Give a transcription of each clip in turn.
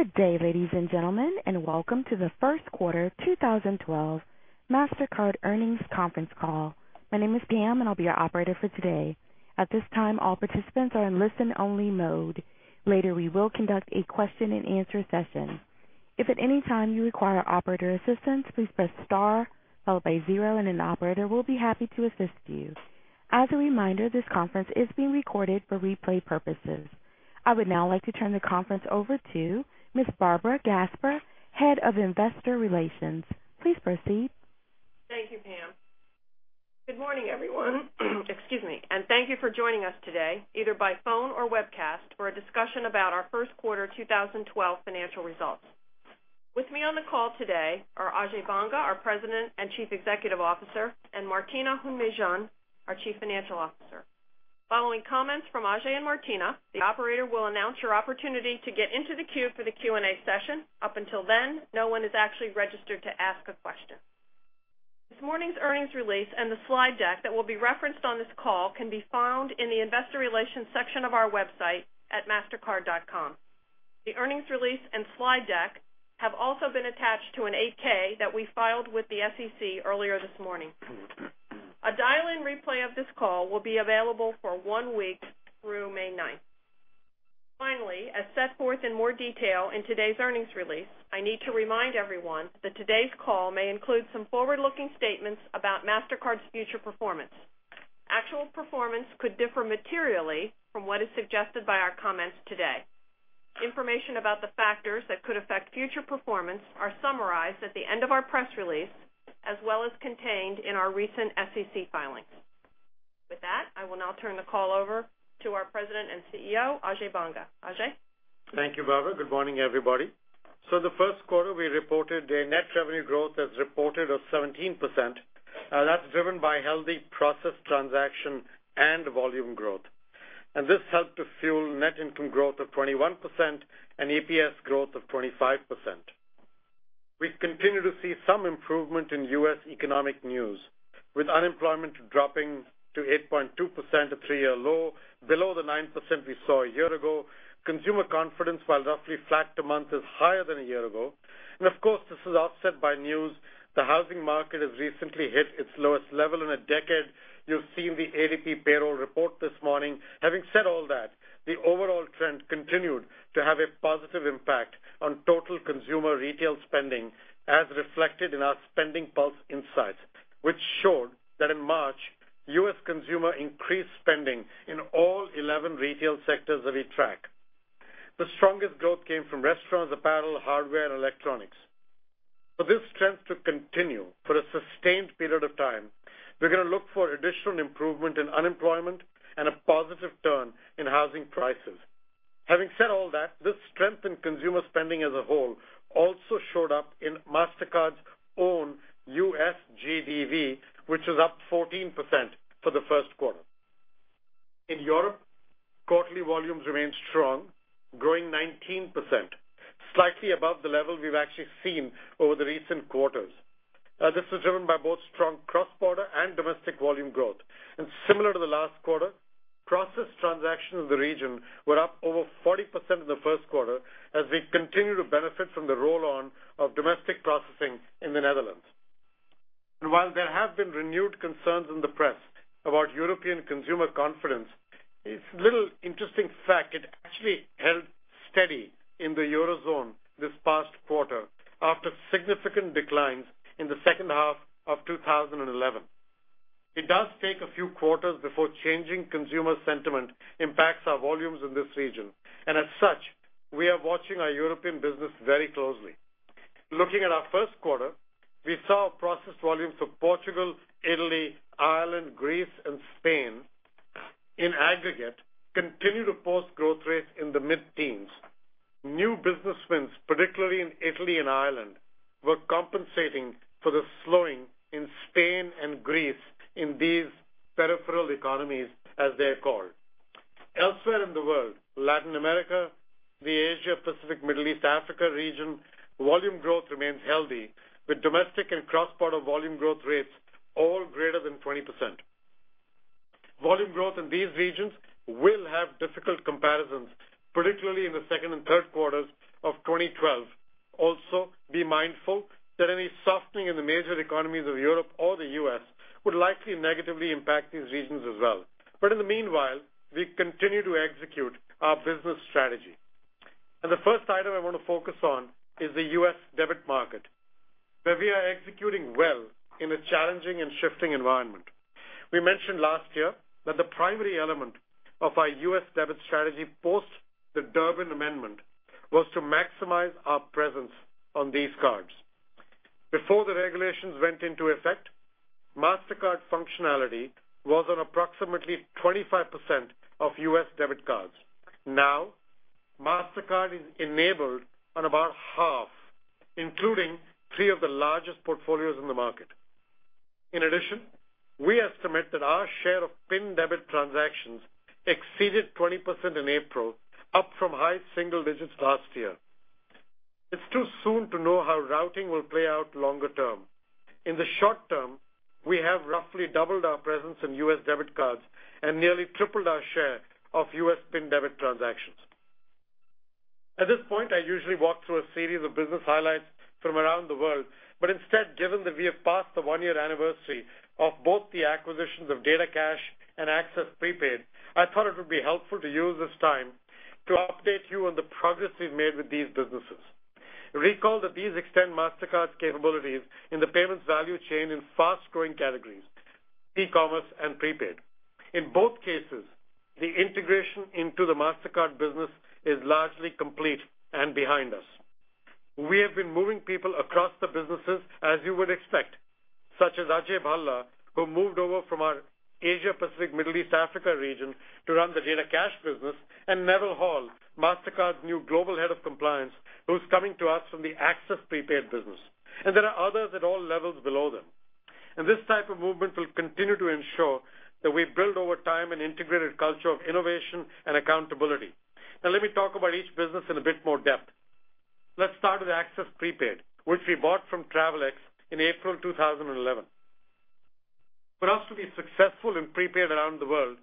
Good day, ladies and gentlemen, and welcome to the First Quarter of 2012 Mastercard Earnings Cconference Call. My name is Pam, and I'll be your operator for today. At this time, all participants are in listen-only mode. Later, we will conduct a question-and-answer session. If at any time you require operator assistance, please press star followed by zero, and an operator will be happy to assist you. As a reminder, this conference is being recorded for replay purposes. I would now like to turn the conference over to Ms. Barbara Gasper, Head of Investor Relations. Please proceed. Thank you, Pam. Good morning, everyone. Thank you for joining us today, either by phone or webcast, for a discussion about our first quarter 2012 financial results. With me on the call today are Ajay Banga, our President and Chief Executive Officer, and Martina Hund-Mejean, our Chief Financial Officer. Following comments from Ajay and Martina, the operator will announce your opportunity to get into the queue for the Q&A session. Up until then, no one has actually registered to ask a question. This morning's earnings release and the slide deck that will be referenced on this call can be found in the Investor Relations section of our website at mastercard.com. The earnings release and slide deck have also been attached to an 8-K that we filed with the SEC earlier this morning. A dial-in replay of this call will be available for one week through May 9. Finally, as set forth in more detail in today's earnings release, I need to remind everyone that today's call may include some forward-looking statements about Mastercard's future performance. Actual performance could differ materially from what is suggested by our comments today. Information about the factors that could affect future performance are summarized at the end of our press release, as well as contained in our recent SEC filings. With that, I will now turn the call over to our President and CEO, Ajay Banga. Ajay? Thank you, Barbara. Good morning, everybody. The first quarter, we reported net revenue growth as reported of 17%. That's driven by healthy processed transaction and volume growth. This helped to fuel net income growth of 21% and EPS growth of 25%. We continue to see some improvement in U.S. economic news, with unemployment dropping to 8.2%, a three-year low, below the 9% we saw a year ago. Consumer confidence, while roughly flat to month, is higher than a year ago. Of course, this is offset by news; the housing market has recently hit its lowest level in a decade. You've seen the ADP payroll report this morning. Having said all that, the overall trend continued to have a positive impact on total consumer retail spending, as reflected in our SpendingPulse insights, which showed that in March, U.S. consumers increased spending in all 11 retail sectors that we tracked. The strongest growth came from restaurants, apparel, hardware, and electronics. For this trend to continue for a sustained period of time, we're going to look for additional improvement in unemployment and a positive turn in housing prices. Having said all that, this strength in consumer spending as a whole also showed up in Mastercard's own U.S. GDP, which was up 14% for the first quarter. In Europe, quarterly volumes remain strong, growing 19%, slightly above the level we've actually seen over the recent quarters. This is driven by both strong cross-border and domestic volume growth. Similar to the last quarter, processed transactions in the region were up over 40% in the first quarter, as we continue to benefit from the roll-on of domestic processing in the Netherlands. While there have been renewed concerns in the press about European consumer confidence, it's a little interesting fact it actually held steady in the eurozone this past quarter after significant declines in the second half of 2011. It does take a few quarters before changing consumer sentiment impacts our volumes in this region. As such, we are watching our European business very closely. Looking at our first quarter, we saw processed volumes for Portugal, Italy, Ireland, Greece, and Spain in aggregate continue to post growth rates in the mid-teens. New business, particularly in Italy and Ireland, were compensating for the slowing in Spain and Greece in these peripheral economies, as they're called. Elsewhere in the world, Latin America, the Asia-Pacific, Middle East, and Africa region, volume growth remains healthy, with domestic and cross-border volume growth rates all greater than 20%. Volume growth in these regions will have difficult comparisons, particularly in the second and third quarters of 2012. Also, be mindful that any softening in the major economies of Europe or the U.S. would likely negatively impact these regions as well. In the meanwhile, we continue to execute our business strategy. The first item I want to focus on is the U.S. debit market, where we are executing well in a challenging and shifting environment. We mentioned last year that the primary element of our U.S. debit strategy post the Durbin Amendment was to maximize our presence on these cards. Before the regulations went into effect, Mastercard functionality was on approximately 25% of U.S. debit cards. Now, Mastercard is enabled on about half, including three of the largest portfolios in the market. In addition, we estimate that our share of PIN debit transactions exceeded 20% in April, up from high single digits last year. It's too soon to know how routing will play out longer term. In the short term, we have roughly doubled our presence in U.S. debit cards and nearly tripled our share of U.S. PIN debit transactions. At this point, I usually walk through a series of business highlights from around the world. Instead, given that we have passed the one-year anniversary of both the acquisitions of DataCash and Access Prepaid, I thought it would be helpful to use this time to update you on the progress we've made with these businesses. Recall that these extend Mastercard's capabilities in the payments value chain in fast-growing categories: e-commerce and prepaid. In both cases, the integration into the Mastercard business is largely complete and behind us. We have been moving people across the businesses, as you would expect, such as Ajay Bhalla, who moved over from our Asia-Pacific, Middle East, and Africa region to run the DataCash business, and Neville Hall, Mastercard's new global head of compliance, who's coming to us from the Access Prepaid business. There are others at all levels below them. This type of movement will continue to ensure that we build, over time, an integrated culture of innovation and accountability. Now, let me talk about each business in a bit more depth. Let's start with Access Prepaid, which we bought from Travelex in April 2011. For us to be successful in prepaid around the world,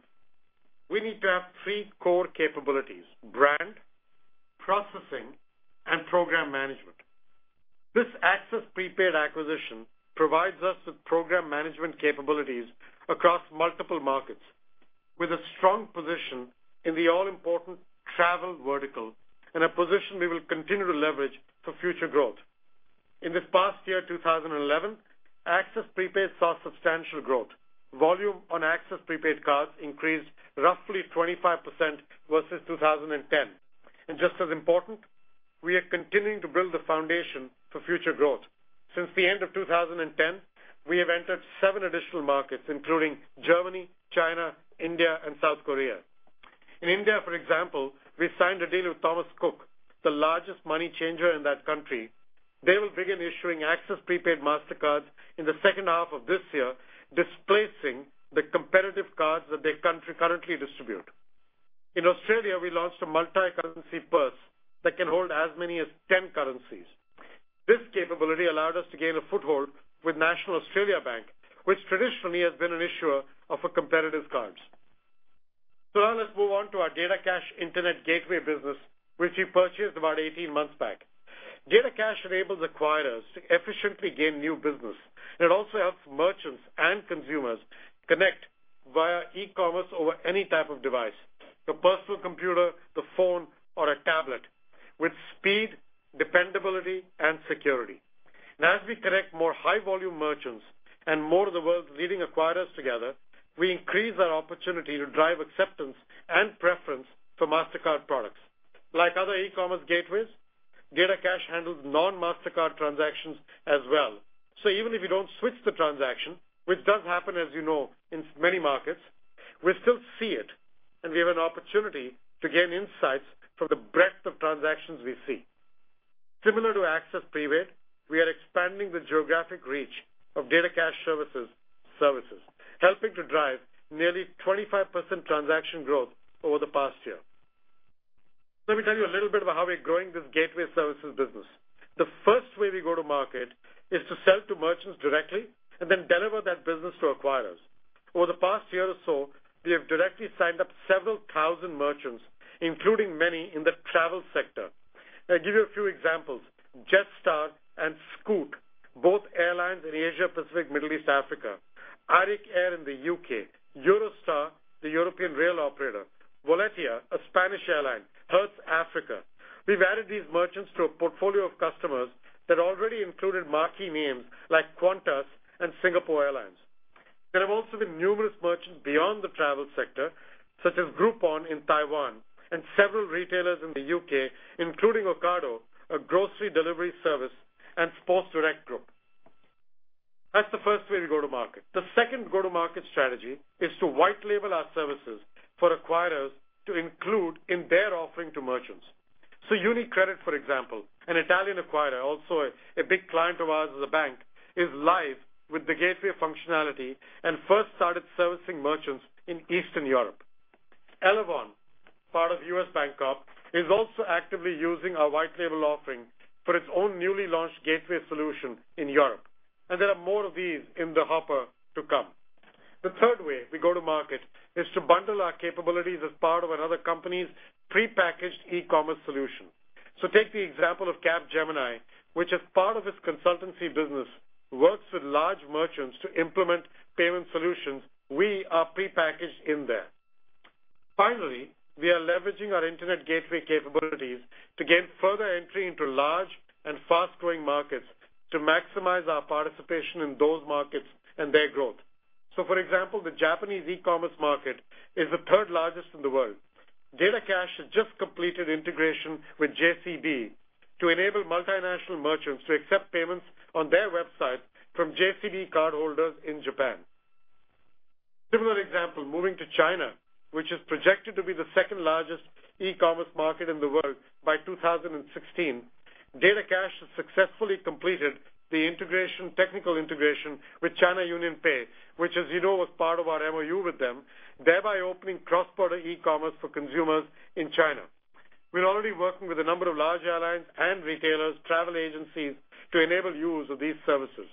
we need to have three core capabilities: brand, processing, and program management. This Access Prepaid acquisition provides us with program management capabilities across multiple markets, with a strong position in the all-important travel vertical and a position we will continue to leverage for future growth. In this past year, 2011, Access Prepaid saw substantial growth. Volume on Access Prepaid cards increased roughly 25% versus 2010. Just as important, we are continuing to build the foundation for future growth. Since the end of 2010, we have entered seven additional markets, including Germany, China, India, and South Korea. In India, for example, we signed a deal with Thomas Cook, the largest money changer in that country. They will begin issuing Access Prepaid Mastercards in the second half of this year, displacing the competitive cards that they currently distribute. In Australia, we launched a multi-currency purse that can hold as many as 10 currencies. This capability allowed us to gain a foothold with National Australia Bank, which traditionally has been an issuer of competitive cards. Now let's move on to our DataCash Internet Gateway business, which we purchased about 18 months back. DataCash enables acquirers to efficiently gain new business. It also helps merchants and consumers connect via e-commerce over any type of device: your personal computer, the phone, or a tablet, with speed, dependability, and security. As we connect more high-volume merchants and more of the world's leading acquirers together, we increase our opportunity to drive acceptance and preference for Mastercard products. Like other e-commerce gateways, DataCash handles non-Mastercard transactions as well. Even if you don't switch the transaction, which does happen, as you know, in many markets, we still see it, and we have an opportunity to gain insights from the breadth of transactions we see. Similar to Access Prepaid, we are expanding the geographic reach of DataCash services, helping to drive nearly 25% transaction growth over the past year. Let me tell you a little bit about how we're growing this gateway services business. The first way we go to market is to sell to merchants directly and then deliver that business to acquirers. Over the past year or so, we have directly signed up several thousand merchants, including many in the travel sector. I'll give you a few examples: Jetstar and Scoot, both airlines in Asia-Pacific, Middle East, and Africa; Arik Air in the U.K.; Eurostar, the European rail operator; Volotea, a Spanish airline; Hertz Africa. We've added these merchants to a portfolio of customers that already included marquee names like Qantas and Singapore Airlines. There have also been numerous merchants beyond the travel sector, such as Groupon in Taiwan and several retailers in the U.K., including Ocado, a grocery delivery service, and SportsDirect Group. That's the first way we go to market. The second go-to-market strategy is to white-label our services for acquirers to include in their offering to merchants. UniCredit, for example, an Italian acquirer, also a big client of ours as a bank, is live with the gateway functionality and first started servicing merchants in Eastern Europe. Elavon, part of U.S. Bancorp, is also actively using our white-label offering for its own newly launched gateway solution in Europe. There are more of these in the hopper to come. The third way we go to market is to bundle our capabilities as part of another company's prepackaged e-commerce solution. Take the example of Capgemini, which, as part of its consultancy business, works with large merchants to implement payment solutions we are prepackaged in there. Finally, we are leveraging our internet gateway capabilities to gain further entry into large and fast-growing markets to maximize our participation in those markets and their growth. For example, the Japanese e-commerce market is the third largest in the world. DataCash has just completed integration with JCB to enable multinational merchants to accept payments on their website from JCB cardholders in Japan. A similar example, moving to China, which is projected to be the second largest e-commerce market in the world by 2016, DataCash has successfully completed the technical integration with China UnionPay, which, as you know, was part of our MOU with them, thereby opening cross-border e-commerce for consumers in China. We're already working with a number of large airlines and retailers, travel agencies to enable the use of these services.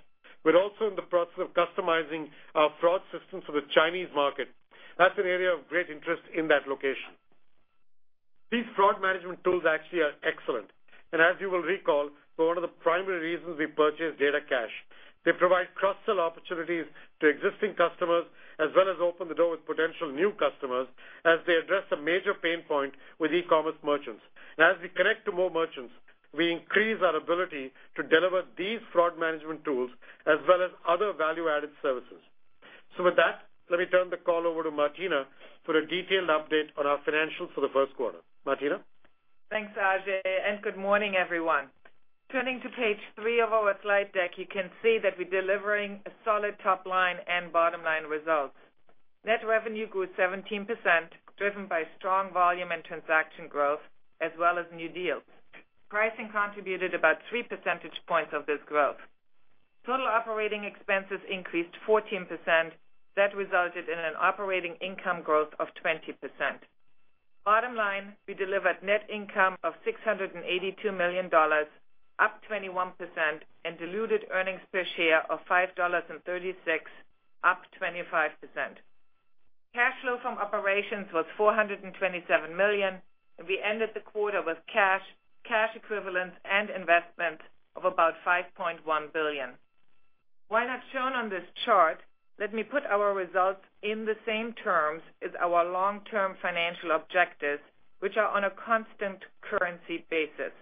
We're also in the process of customizing our fraud systems for the Chinese market. That's an area of great interest in that location. These fraud management tools actually are excellent. As you will recall, one of the primary reasons we purchased DataCash is they provide cross-sell opportunities to existing customers, as well as open the door with potential new customers, as they address a major pain point with e-commerce merchants. As we connect to more merchants, we increase our ability to deliver these fraud management tools, as well as other value-added services. With that, let me turn the call over to Martina for a detailed update on our financials for the first quarter. Martina? Thanks, Ajay, and good morning, everyone. Turning to page three of our slide deck, you can see that we're delivering solid top-line and bottom-line results. Net revenue grew 17%, driven by strong volume and transaction growth, as well as new deals. Pricing contributed about 3% of this growth. Total operating expenses increased 14%. That resulted in an operating income growth of 20%. Bottom line, we delivered net income of $682 million, up 21%, and diluted earnings per share of $5.36, up 25%. Cash flow from operations was $427 million, and we ended the quarter with cash, cash equivalents, and investments of about $5.1 billion. While not shown on this chart, let me put our results in the same terms as our long-term financial objectives, which are on a constant currency basis.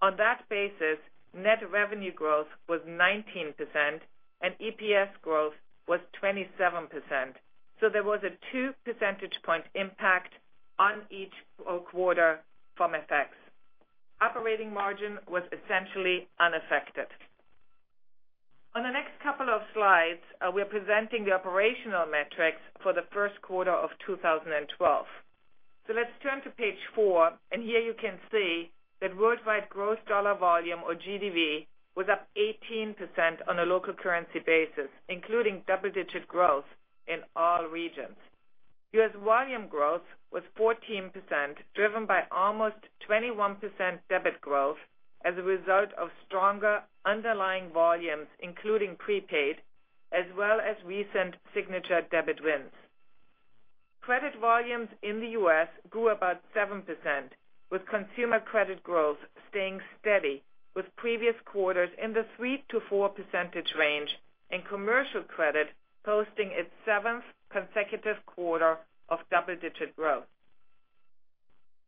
On that basis, net revenue growth was 19%, and EPS growth was 27%. There was a two percentage point impact on each quarter from effects. Operating margin was essentially unaffected. On the next couple of slides, we're presenting the operational metrics for the first quarter of 2012. Let's turn to page four. Here you can see that worldwide gross dollar volume, or GDV, was up 18% on a local currency basis, including double-digit growth in all regions. U.S. volume growth was 14%, driven by almost 21% debit growth as a result of stronger underlying volumes, including prepaid, as well as recent signature debit wins. Credit volumes in the U.S. grew about 7%, with consumer credit growth staying steady with previous quarters in the 3% to 4% range and commercial credit posting its seventh consecutive quarter of double-digit growth.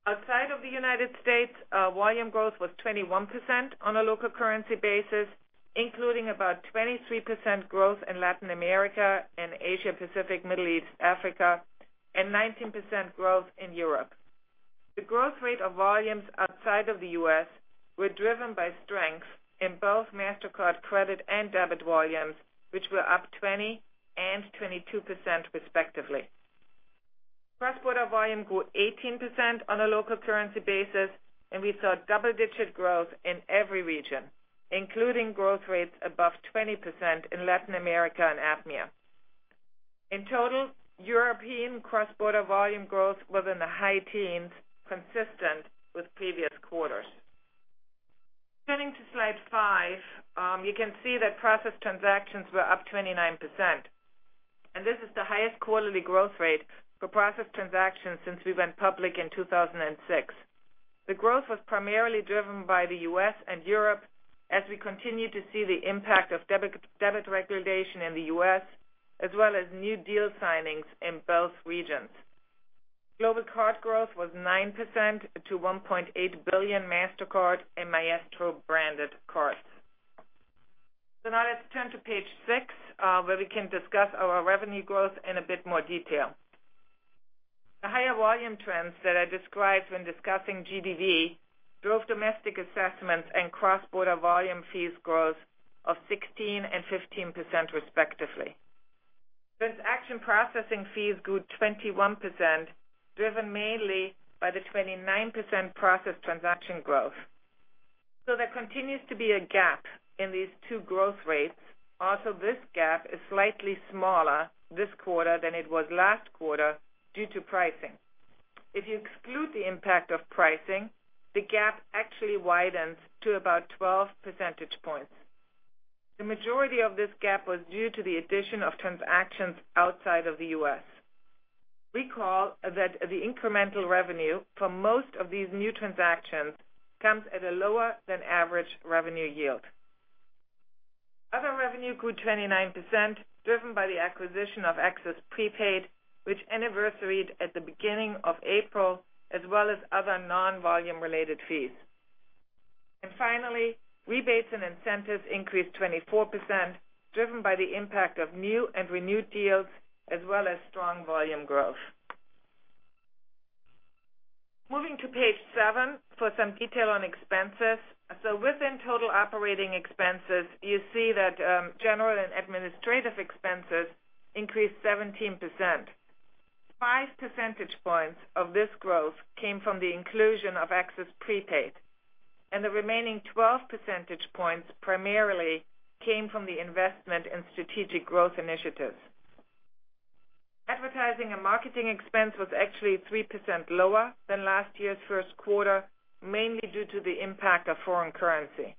Outside of the United States, volume growth was 21% on a local currency basis, including about 23% growth in Latin America and Asia-Pacific, Middle East, and Africa, and 19% growth in Europe. The growth rate of volumes outside of the U.S. was driven by strength in both Mastercard credit and debit volumes, which were up 20% and 22%, respectively. Cross-border volume grew 18% on a local currency basis, and we saw double-digit growth in every region, including growth rates above 20% in Latin America and Africa. In total, European cross-border volume growth was in the high teens, consistent with previous quarters. Turning to slide five, you can see that processed transactions were up 29%. This is the highest quarterly growth rate for processed transactions since we went public in 2006. The growth was primarily driven by the U.S. and Europe, as we continue to see the impact of debit regulation in the U.S., as well as new deal signings in both regions. Global card growth was 9% to 1.8 billion Mastercard and Maestro-branded cards. Now let's turn to page six, where we can discuss our revenue growth in a bit more detail. The higher volume trends that I described when discussing GDV drove domestic assessments and cross-border volume fees growth of 16% and 15%, respectively. Transaction processing fees grew 21%, driven mainly by the 29% processed transaction growth. There continues to be a gap in these two growth rates. Also, this gap is slightly smaller this quarter than it was last quarter due to pricing. If you exclude the impact of pricing, the gap actually widens to about 12 percentage points. The majority of this gap was due to the addition of transactions outside of the U.S. Recall that the incremental revenue for most of these new transactions comes at a lower-than-average revenue yield. Other revenue grew 29%, driven by the acquisition of Access Prepaid, which anniversaried at the beginning of April, as well as other non-volume-related fees. Finally, rebates and incentives increased 24%, driven by the impact of new and renewed deals, as well as strong volume growth. Moving to page seven for some detail on expenses. Within total operating expenses, you see that general and administrative expenses increased 17%. Five percentage points of this growth came from the inclusion of Access Prepaid. The remaining 12 percentage points primarily came from the investment in strategic growth initiatives. Advertising and marketing expense was actually 3% lower than last year's first quarter, mainly due to the impact of foreign currency.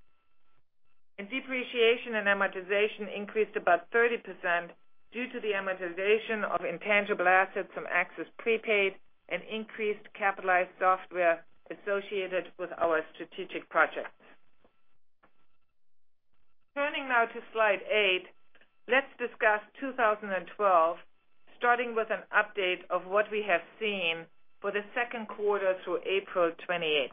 Depreciation and amortization increased about 30% due to the amortization of intangible assets from Access Prepaid and increased capitalized software associated with our strategic projects. Turning now to slide eight, let's discuss 2012, starting with an update of what we have seen for the second quarter through April 28.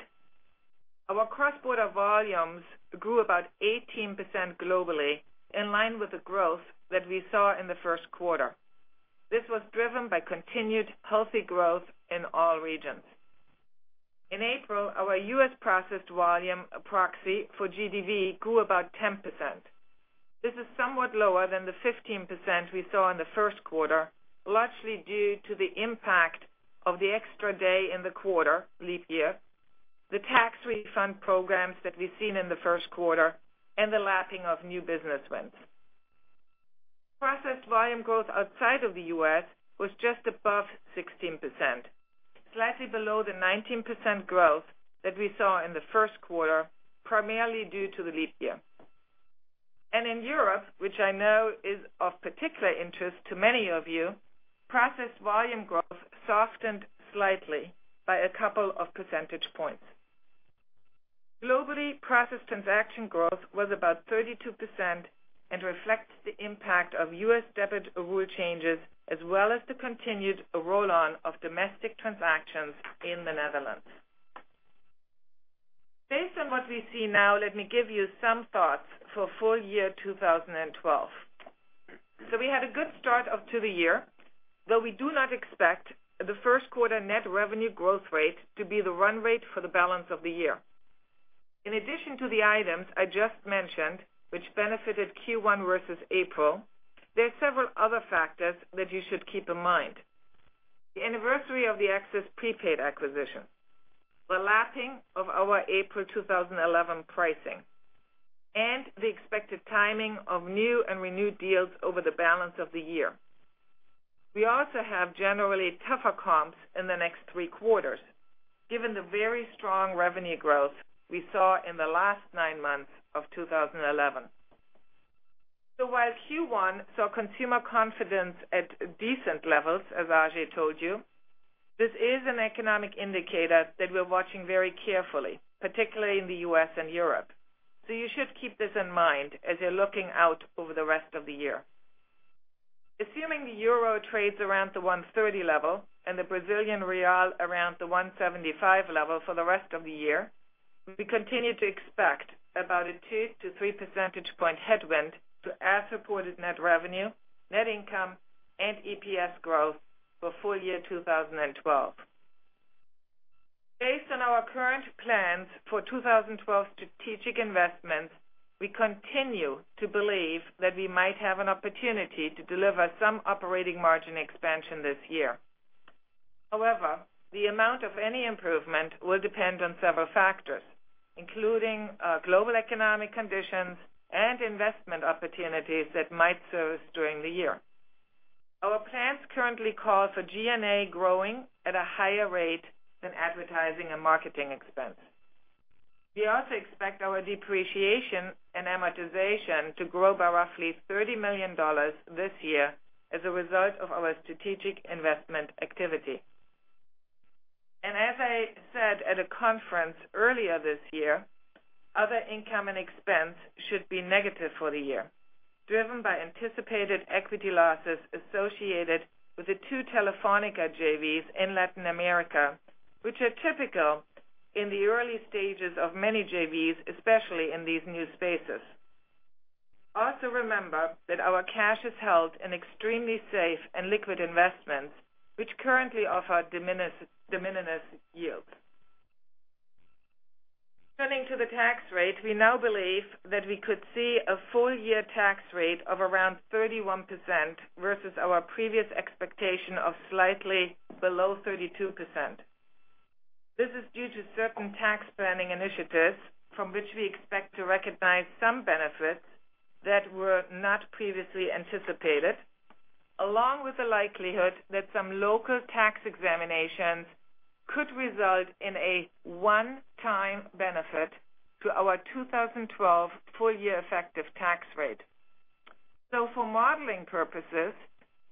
Our cross-border volumes grew about 18% globally, in line with the growth that we saw in the first quarter. This was driven by continued healthy growth in all regions. In April, our U.S. processed volume proxy for GDV grew about 10%. This is somewhat lower than the 15% we saw in the first quarter, largely due to the impact of the extra day in the quarter leap year, the tax refund programs that we've seen in the first quarter, and the lapping of new business wins. Processed volume growth outside of the U.S. was just above 16%, slightly below the 19% growth that we saw in the first quarter, primarily due to the leap year. In Europe, which I know is of particular interest to many of you, processed volume growth softened slightly by a couple of percentage points. Globally, processed transaction growth was about 32% and reflects the impact of U.S. debit rule changes, as well as the continued roll-on of domestic transactions in the Netherlands. Based on what we see now, let me give you some thoughts for full-year 2012. We had a good start of the year, though we do not expect the first quarter net revenue growth rate to be the run rate for the balance of the year. In addition to the items I just mentioned, which benefited Q1 versus April, there are several other factors that you should keep in mind: the anniversary of the Access Prepaid acquisition, the lapping of our April 2011 pricing, and the expected timing of new and renewed deals over the balance of the year. We also have generally tougher comps in the next three quarters, given the very strong revenue growth we saw in the last nine months of 2011. Q1 saw consumer confidence at decent levels, as Ajay told you, and this is an economic indicator that we're watching very carefully, particularly in the U.S. and Europe. You should keep this in mind as you're looking out over the rest of the year. Assuming the euro trades around the 1.30 level and the Brazilian real around the 1.75 level for the rest of the year, we continue to expect about a 2%-3% point headwind to as-reported net revenue, net income, and EPS growth for full-year 2012. Based on our current plans for 2012 strategic investments, we continue to believe that we might have an opportunity to deliver some operating margin expansion this year. However, the amount of any improvement will depend on several factors, including global economic conditions and investment opportunities that might surface during the year. Our plans currently call for G&A growing at a higher rate than advertising and marketing expense. We also expect our depreciation and amortization to grow by roughly $30 million this year as a result of our strategic investment activity. As I said at a conference earlier this year, other income and expense should be negative for the year, driven by anticipated equity losses associated with the two Telefónica joint ventures in Latin America, which are typical in the early stages of many joint ventures, especially in these new spaces. Also, remember that our cash is held in extremely safe and liquid investments, which currently offer de minimis yields. Turning to the tax rate, we now believe that we could see a full-year tax rate of around 31% versus our previous expectation of slightly below 32%. This is due to certain tax planning initiatives from which we expect to recognize some benefits that were not previously anticipated, along with the likelihood that some local tax examinations could result in a one-time benefit to our 2012 full-year effective tax rate. For modeling purposes,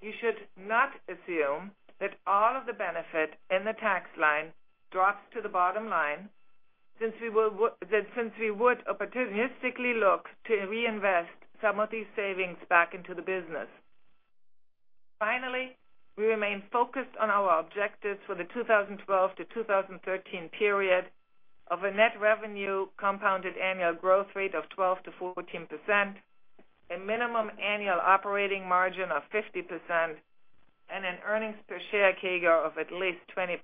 you should not assume that all of the benefit in the tax line drops to the bottom line, since we would opportunistically look to reinvest some of these savings back into the business. Finally, we remain focused on our objectives for the 2012-2013 period of a net revenue compounded annual growth rate of 12%-14%, a minimum annual operating margin of 50%, and an earnings per share CAGR of at least 20%.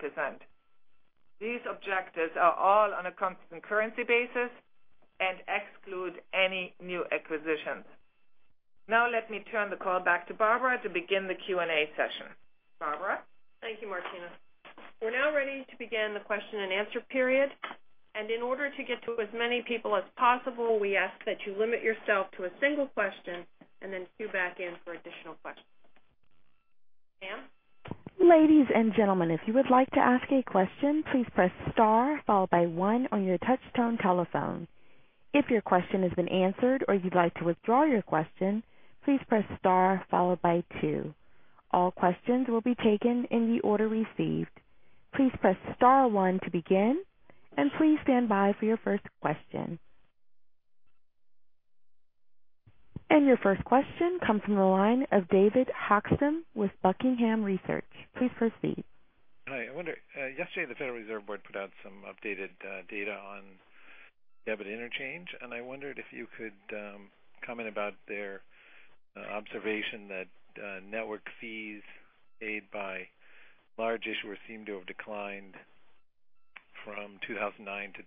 These objectives are all on a constant currency basis and exclude any new acquisitions. Now let me turn the call back to Barbara to begin the Q&A session. Barbara? Thank you, Martina. We're now ready to begin the question-and-answer period. In order to get to as many people as possible, we ask that you limit yourself to a single question and then queue back in for additional questions. Pam? Ladies and gentlemen, if you would like to ask a question, please press star followed by one on your touch-tone telephone. If your question has been answered or you'd like to withdraw your question, please press star followed by two. All questions will be taken in the order received. Please press star one to begin, and please stand by for your first question. Your first question comes from the line of David Hochstim with Buckingham Research. Please proceed. Hi. I wonder, yesterday the Federal Reserve Board put out some updated data on debit interchange, and I wondered if you could comment about their observation that network fees paid by large issuers seem to have declined from 2009 to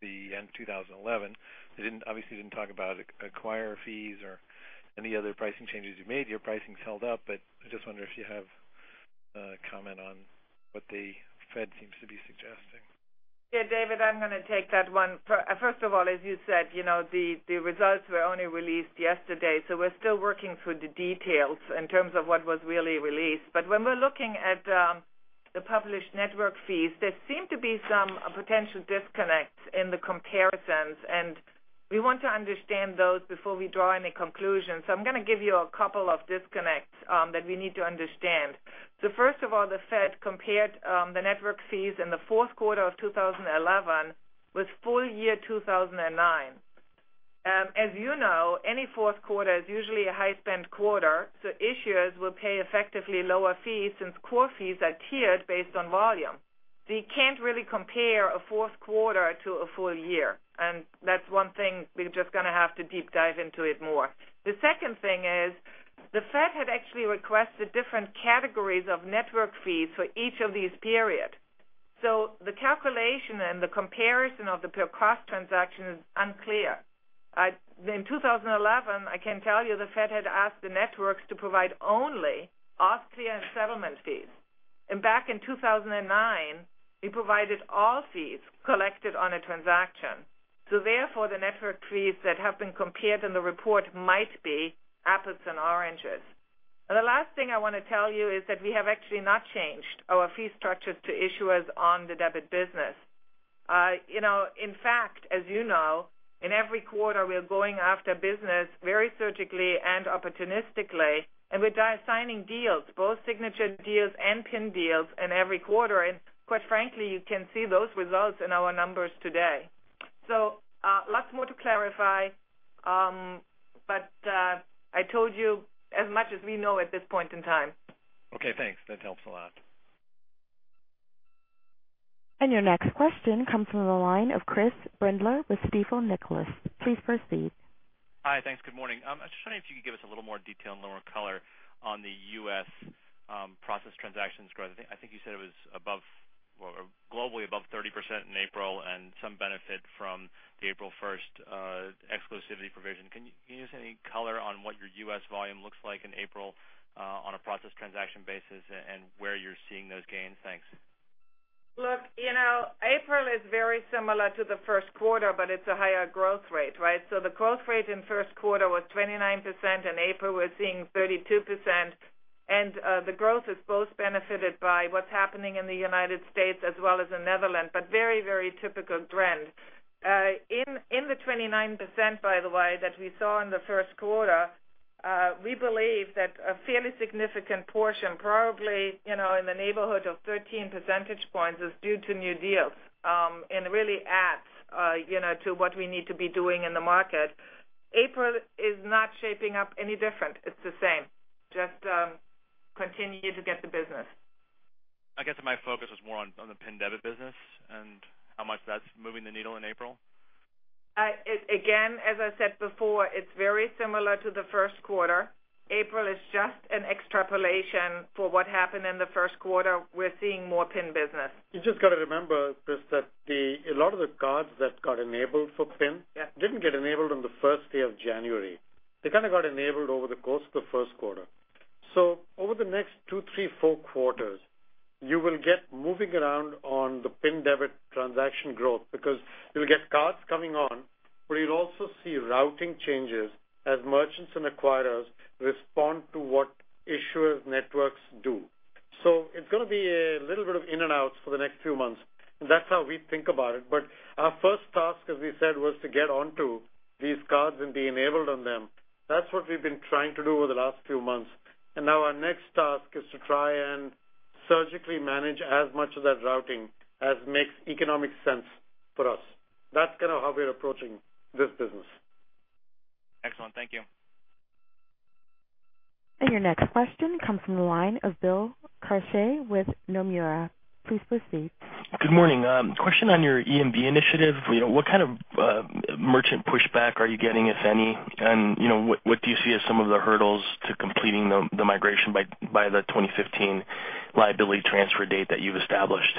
the end of 2011. They didn't obviously talk about acquirer fees or any other pricing changes you've made. Your pricing's held up, but I just wonder if you have a comment on what the Fed seems to be suggesting. Yeah, David, I'm going to take that one. First of all, as you said, you know the results were only released yesterday, so we're still working through the details in terms of what was really released. When we're looking at the published network fees, there seem to be some potential disconnects in the comparisons, and we want to understand those before we draw any conclusions. I'm going to give you a couple of disconnects that we need to understand. First of all, the Fed compared the network fees in the fourth quarter of 2011 with full-year 2009. As you know, any fourth quarter is usually a high-spend quarter, so issuers will pay effectively lower fees since core fees are tiered based on volume. You can't really compare a fourth quarter to a full year, and that's one thing we're just going to have to deep dive into more. The second thing is the Fed had actually requested different categories of network fees for each of these periods, so the calculation and the comparison of the per-cost transaction is unclear. In 2011, I can tell you the Fed had asked the networks to provide only Austrian settlement fees, and back in 2009, we provided all fees collected on a transaction. Therefore, the network fees that have been compared in the report might be apples and oranges. The last thing I want to tell you is that we have actually not changed our fee structures to issuers on the debit business. In fact, as you know, in every quarter, we're going after business very surgically and opportunistically, and we're signing deals, both signature deals and PIN deals, in every quarter. Quite frankly, you can see those results in our numbers today. Lots more to clarify, but I told you as much as we know at this point in time. OK, thanks. That helps a lot. Your next question comes from the line of Chris Brendler with Stifel Nicolaus. Please proceed. Hi, thanks. Good morning. I was just wondering if you could give us a little more detail and more color on the U.S. processed transactions growth. I think you said it was above, globally above 30% in April and some benefit from the April 1 exclusivity provision. Can you give us any color on what your U.S. volume looks like in April on a processed transaction basis and where you're seeing those gains? Thanks. Look, you know, April is very similar to the first quarter, but it's a higher growth rate, right? The growth rate in the first quarter was 29%. In April, we're seeing 32%. The growth is both benefited by what's happening in the U.S., as well as the Netherlands, but very, very typical trend. In the 29% that we saw in the first quarter, we believe that a fairly significant portion, probably, you know, in the neighborhood of 13 percentage points, is due to new deals and really adds, you know, to what we need to be doing in the market. April is not shaping up any different. It's the same. Just continue to get the business. I guess my focus was more on the PIN debit business and how much that's moving the needle in April. Again, as I said before, it's very similar to the first quarter. April is just an extrapolation for what happened in the first quarter. We're seeing more PIN business. You've just got to remember, Chris, that a lot of the cards that got enabled for PIN didn't get enabled on the first day of January. They kind of got enabled over the course of the first quarter. Over the next two, three, four quarters, you will get moving around on the PIN debit transaction growth because you'll get cards coming on where you'll also see routing changes as merchants and acquirers respond to what issuers' networks do. It's going to be a little bit of in and outs for the next few months. That's how we think about it. Our first task, as we said, was to get onto these cards and be enabled on them. That's what we've been trying to do over the last few months. Now our next task is to try and surgically manage as much of that routing as makes economic sense for us. That's kind of how we're approaching this business. Excellent. Thank you. Your next question comes from the line of Bill Carache with Nomura. Please proceed. Good morning. A question on your EMV initiative. What kind of merchant pushback are you getting, if any? What do you see as some of the hurdles to completing the migration by the 2015 liability transfer date that you've established?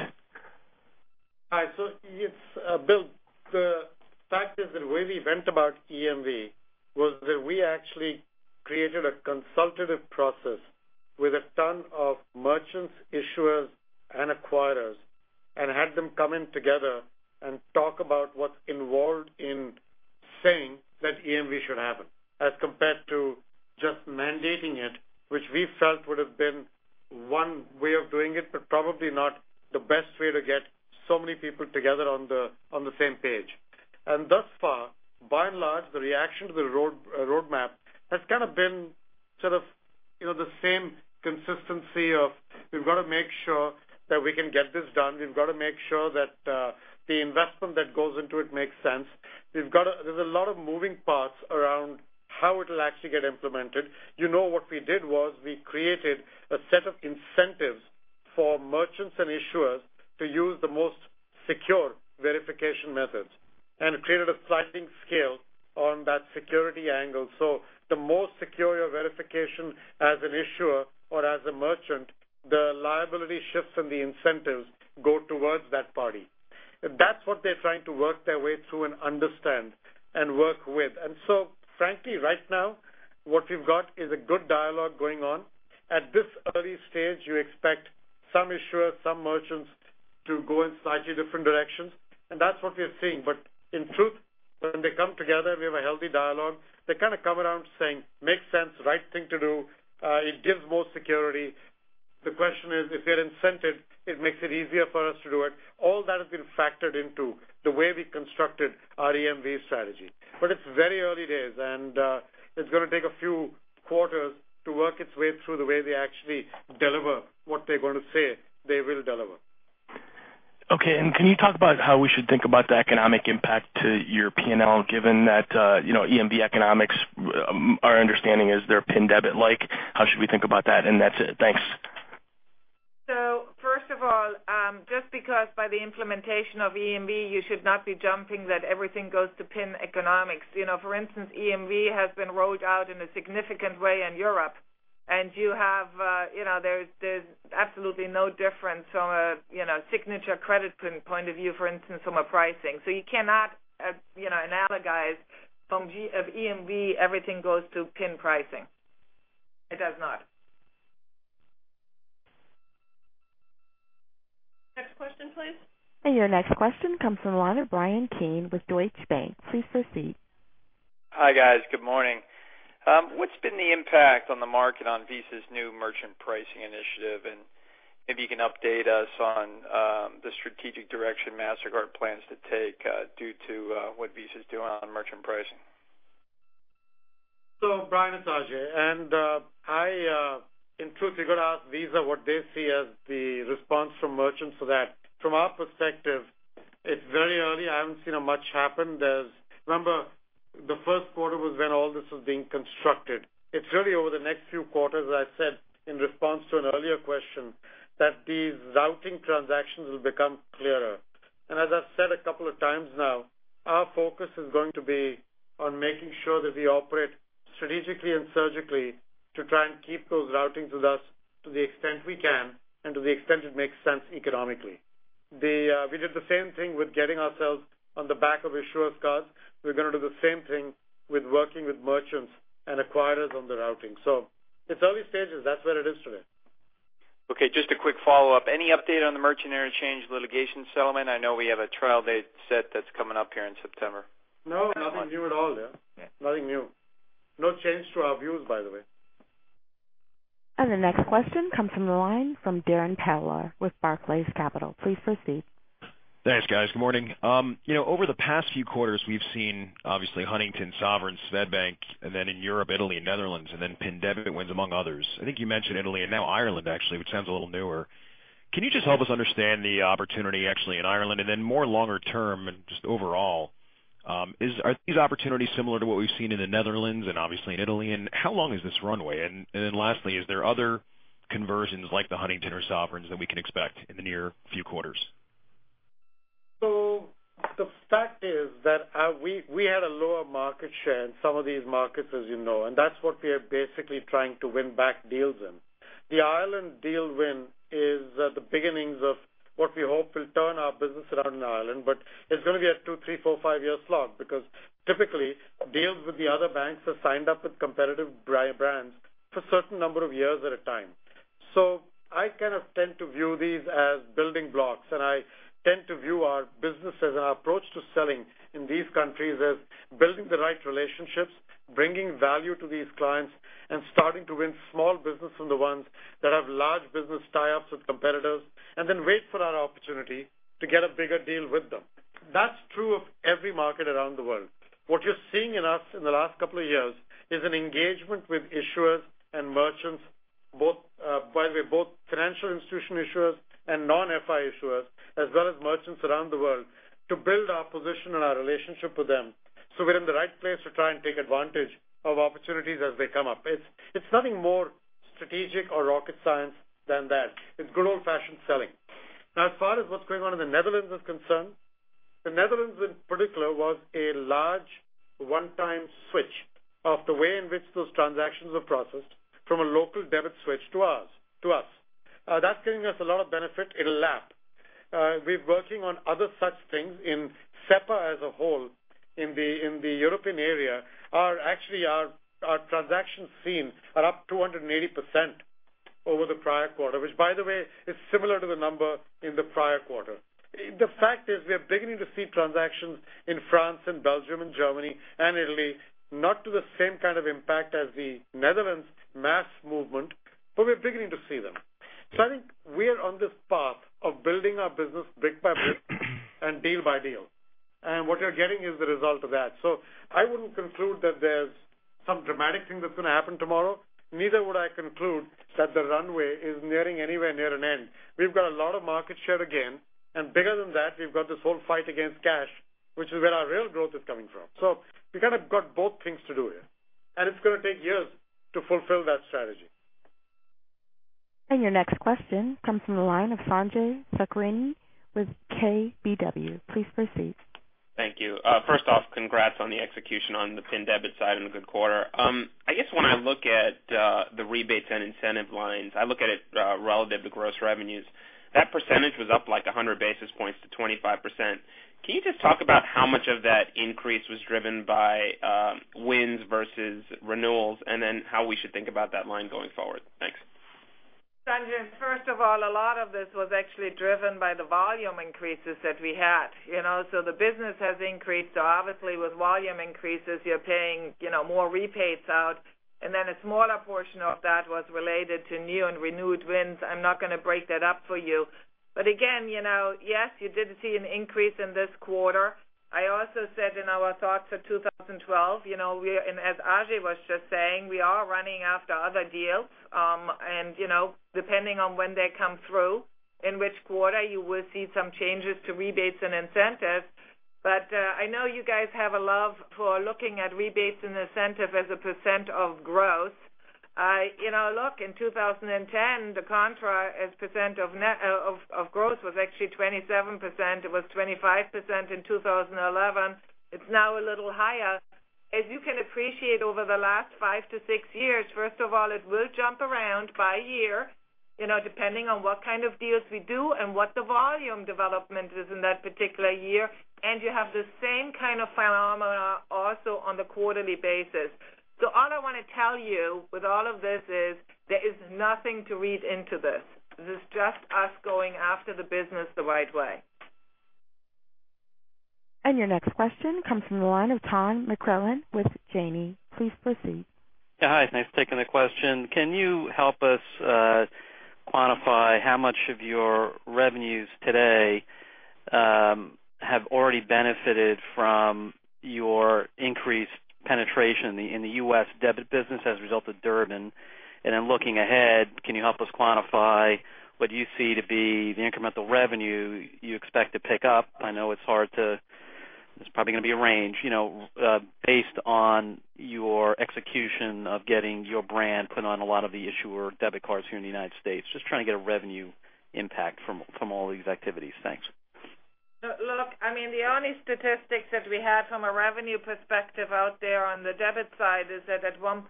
All right. It's Bill. The fact is that the way we went about EMV was that we actually created a consultative process with a ton of merchants, issuers, and acquirers and had them come in together and talk about what's involved in saying that EMV should happen, as compared to just mandating it, which we felt would have been one way of doing it, but probably not the best way to get so many people together on the same page. Thus far, by and large, the reaction to the roadmap has kind of been the same consistency of we've got to make sure that we can get this done. We've got to make sure that the investment that goes into it makes sense. There's a lot of moving parts around how it'll actually get implemented. What we did was we created a set of incentives for merchants and issuers to use the most secure verification methods and created a sliding scale on that security angle. The more secure your verification as an issuer or as a merchant, the liability shifts and the incentives go towards that party. That's what they're trying to work their way through and understand and work with. Frankly, right now, what we've got is a good dialogue going on. At this early stage, you expect some issuers, some merchants to go in slightly different directions. That's what we're seeing. In truth, when they come together, we have a healthy dialogue. They kind of come around saying, "Makes sense, right thing to do. It gives more security." The question is, if you're incented, it makes it easier for us to do it. All that has been factored into the way we constructed our EMV strategy. It's very early days, and it's going to take a few quarters to work its way through the way they actually deliver what they're going to say they will deliver. OK. Can you talk about how we should think about the economic impact to your P&L, given that EMV economics, our understanding is they're PIN debit-like? How should we think about that? That's it. Thanks. First of all, just because by the implementation of EMV, you should not be jumping that everything goes to PIN economics. For instance, EMV has been rolled out in a significant way in Europe, and you have, you know, there's absolutely no difference from a signature credit point of view, for instance, from a pricing. You cannot analogize from EMV, everything goes to PIN pricing. It does not. Next question, please. Your next question comes from the line of Bryan Keane with Deutsche Bank. Please proceed. Hi, guys. Good morning. What's been the impact on the market on Visa's new merchant pricing initiative? Maybe you can update us on the strategic direction Mastercard plans to take due to what Visa's doing on merchant pricing. Brian, it's Ajay. I, in truth, got to ask Visa what they see as the response from merchants for that. From our perspective, it's very early. I haven't seen much happen. Remember, the first quarter was when all this was being constructed. It's really over the next few quarters that I said, in response to an earlier question, that these routing transactions will become clearer. As I've said a couple of times now, our focus is going to be on making sure that we operate strategically and surgically to try and keep those routings with us to the extent we can and to the extent it makes sense economically. We did the same thing with getting ourselves on the back of issuers' cards. We're going to do the same thing with working with merchants and acquirers on the routing. It's early stages. That's where it is today. OK. Just a quick follow-up. Any update on the merchant interchange litigation settlement? I know we have a trial date set that's coming up here in September. No, nothing new at all there. Nothing new. No change to our views, by the way. The next question comes from the line of Darrin Peller with Barclays Capital. Please proceed. Thanks, guys. Good morning. Over the past few quarters, we've seen obviously Huntington, Sovereign, Swedbank, and then in Europe, Italy, and Netherlands, and then PIN debit wins among others. I think you mentioned Italy and now Ireland, actually, which sounds a little newer. Can you just help us understand the opportunity actually in Ireland and then more longer term and just overall? Are these opportunities similar to what we've seen in the Netherlands and obviously in Italy? How long is this runway? Lastly, is there other conversions like the Huntington or Sovereign that we can expect in the next few quarters? The fact is that we had a lower market share in some of these markets, as you know, and that's what we are basically trying to win back deals in. The Ireland deal win is the beginnings of what we hope will turn our business around in Ireland. It's going to be a two, three, four, five-year slog because typically, deals with the other banks are signed up with competitive brands for a certain number of years at a time. I tend to view these as building blocks. I tend to view our business as our approach to selling in these countries as building the right relationships, bringing value to these clients, and starting to win small business from the ones that have large business tie-ups with competitors, and then wait for our opportunity to get a bigger deal with them. That's true of every market around the world. What you're seeing in us in the last couple of years is an engagement with issuers and merchants, both, by the way, both financial institution issuers and non-FI issuers, as well as merchants around the world, to build our position and our relationship with them. We're in the right place to try and take advantage of opportunities as they come up. It's nothing more strategic or rocket science than that. It's good old-fashioned selling. As far as what's going on in the Netherlands is concerned, the Netherlands in particular was a large one-time switch of the way in which those transactions were processed from a local debit switch to us. That's giving us a lot of benefit in a lap. We're working on other such things in SEPA as a whole in the European area. Actually, our transaction scene are up 280% over the prior quarter, which, by the way, is similar to the number in the prior quarter. The fact is we are beginning to see transactions in France, Belgium, Germany, and Italy, not to the same kind of impact as the Netherlands' mass movement, but we're beginning to see them. I think we are on this path of building our business brick by brick and deal by deal, and what you're getting is the result of that. I wouldn't conclude that there's some dramatic thing that's going to happen tomorrow. Neither would I conclude that the runway is nearing anywhere near an end. We've got a lot of market share again, and bigger than that, we've got this whole fight against cash, which is where our real growth is coming from. We kind of got both things to do here, and it's going to take years to fulfill that strategy. Your next question comes from the line of Sanjay Sakhrani with KBW. Please proceed. Thank you. First off, congrats on the execution on the PIN debit side in the good quarter. I guess when I look at the rebates and incentive lines, I look at it relative to gross revenues. That percentage was up like 100 basis points to 25%. Can you just talk about how much of that increase was driven by wins versus renewals and then how we should think about that line going forward? Thanks. Sanjay, first of all, a lot of this was actually driven by the volume increases that we had. The business has increased. Obviously, with volume increases, you're paying more rebates out. A smaller portion of that was related to new and renewed wins. I'm not going to break that up for you. Again, yes, you did see an increase in this quarter. I also said in our thoughts for 2012, as Ajay was just saying, we are running after other deals. Depending on when they come through, in which quarter, you will see some changes to rebates and incentives. I know you guys have a love for looking at rebates and incentives as a % of growth. In 2010, the contra as % of growth was actually 27%. It was 25% in 2011. It's now a little higher. As you can appreciate, over the last five to six years, first of all, it will jump around by year, depending on what kind of deals we do and what the volume development is in that particular year. You have the same kind of phenomena also on the quarterly basis. All I want to tell you with all of this is there is nothing to read into this. This is just us going after the business the right way. Your next question comes from the line of Tom McCrohan with Janney. Please proceed. Yeah, hi. Thanks for taking the question. Can you help us quantify how much of your revenues today have already benefited from your increased penetration in the U.S. debit business as a result of the Durbin Amendment? Looking ahead, can you help us quantify what you see to be the incremental revenue you expect to pick up? I know it's hard to, it's probably going to be a range, you know, based on your execution of getting your brand put on a lot of the issuer debit cards here in the U.S., just trying to get a revenue impact from all these activities. Thanks. Look, I mean, the only statistics that we had from a revenue perspective out there on the debit side is that at one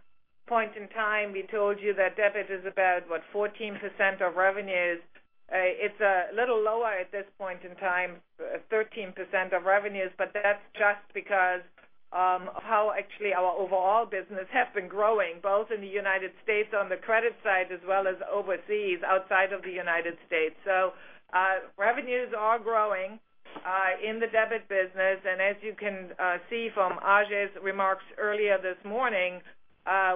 point in time, we told you that debit is about, what, 14% of revenues. It's a little lower at this point in time, 13% of revenues. That's just because of how actually our overall business has been growing, both in the U.S. on the credit side as well as overseas, outside of the U.S. Revenues are growing in the debit business. As you can see from Ajay's remarks earlier this morning,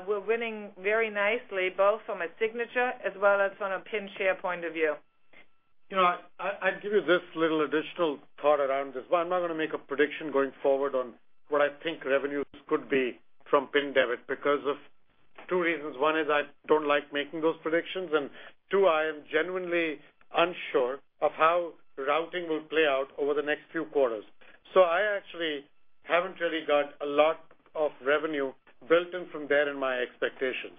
we're winning very nicely, both from a signature as well as from a PIN share point of view. I'd give you this little additional thought around this. I'm not going to make a prediction going forward on what I think revenues could be from PIN debit because of two reasons. One is I don't like making those predictions. Two, I am genuinely unsure of how routing will play out over the next few quarters. I actually haven't really got a lot of revenue built in from there in my expectations.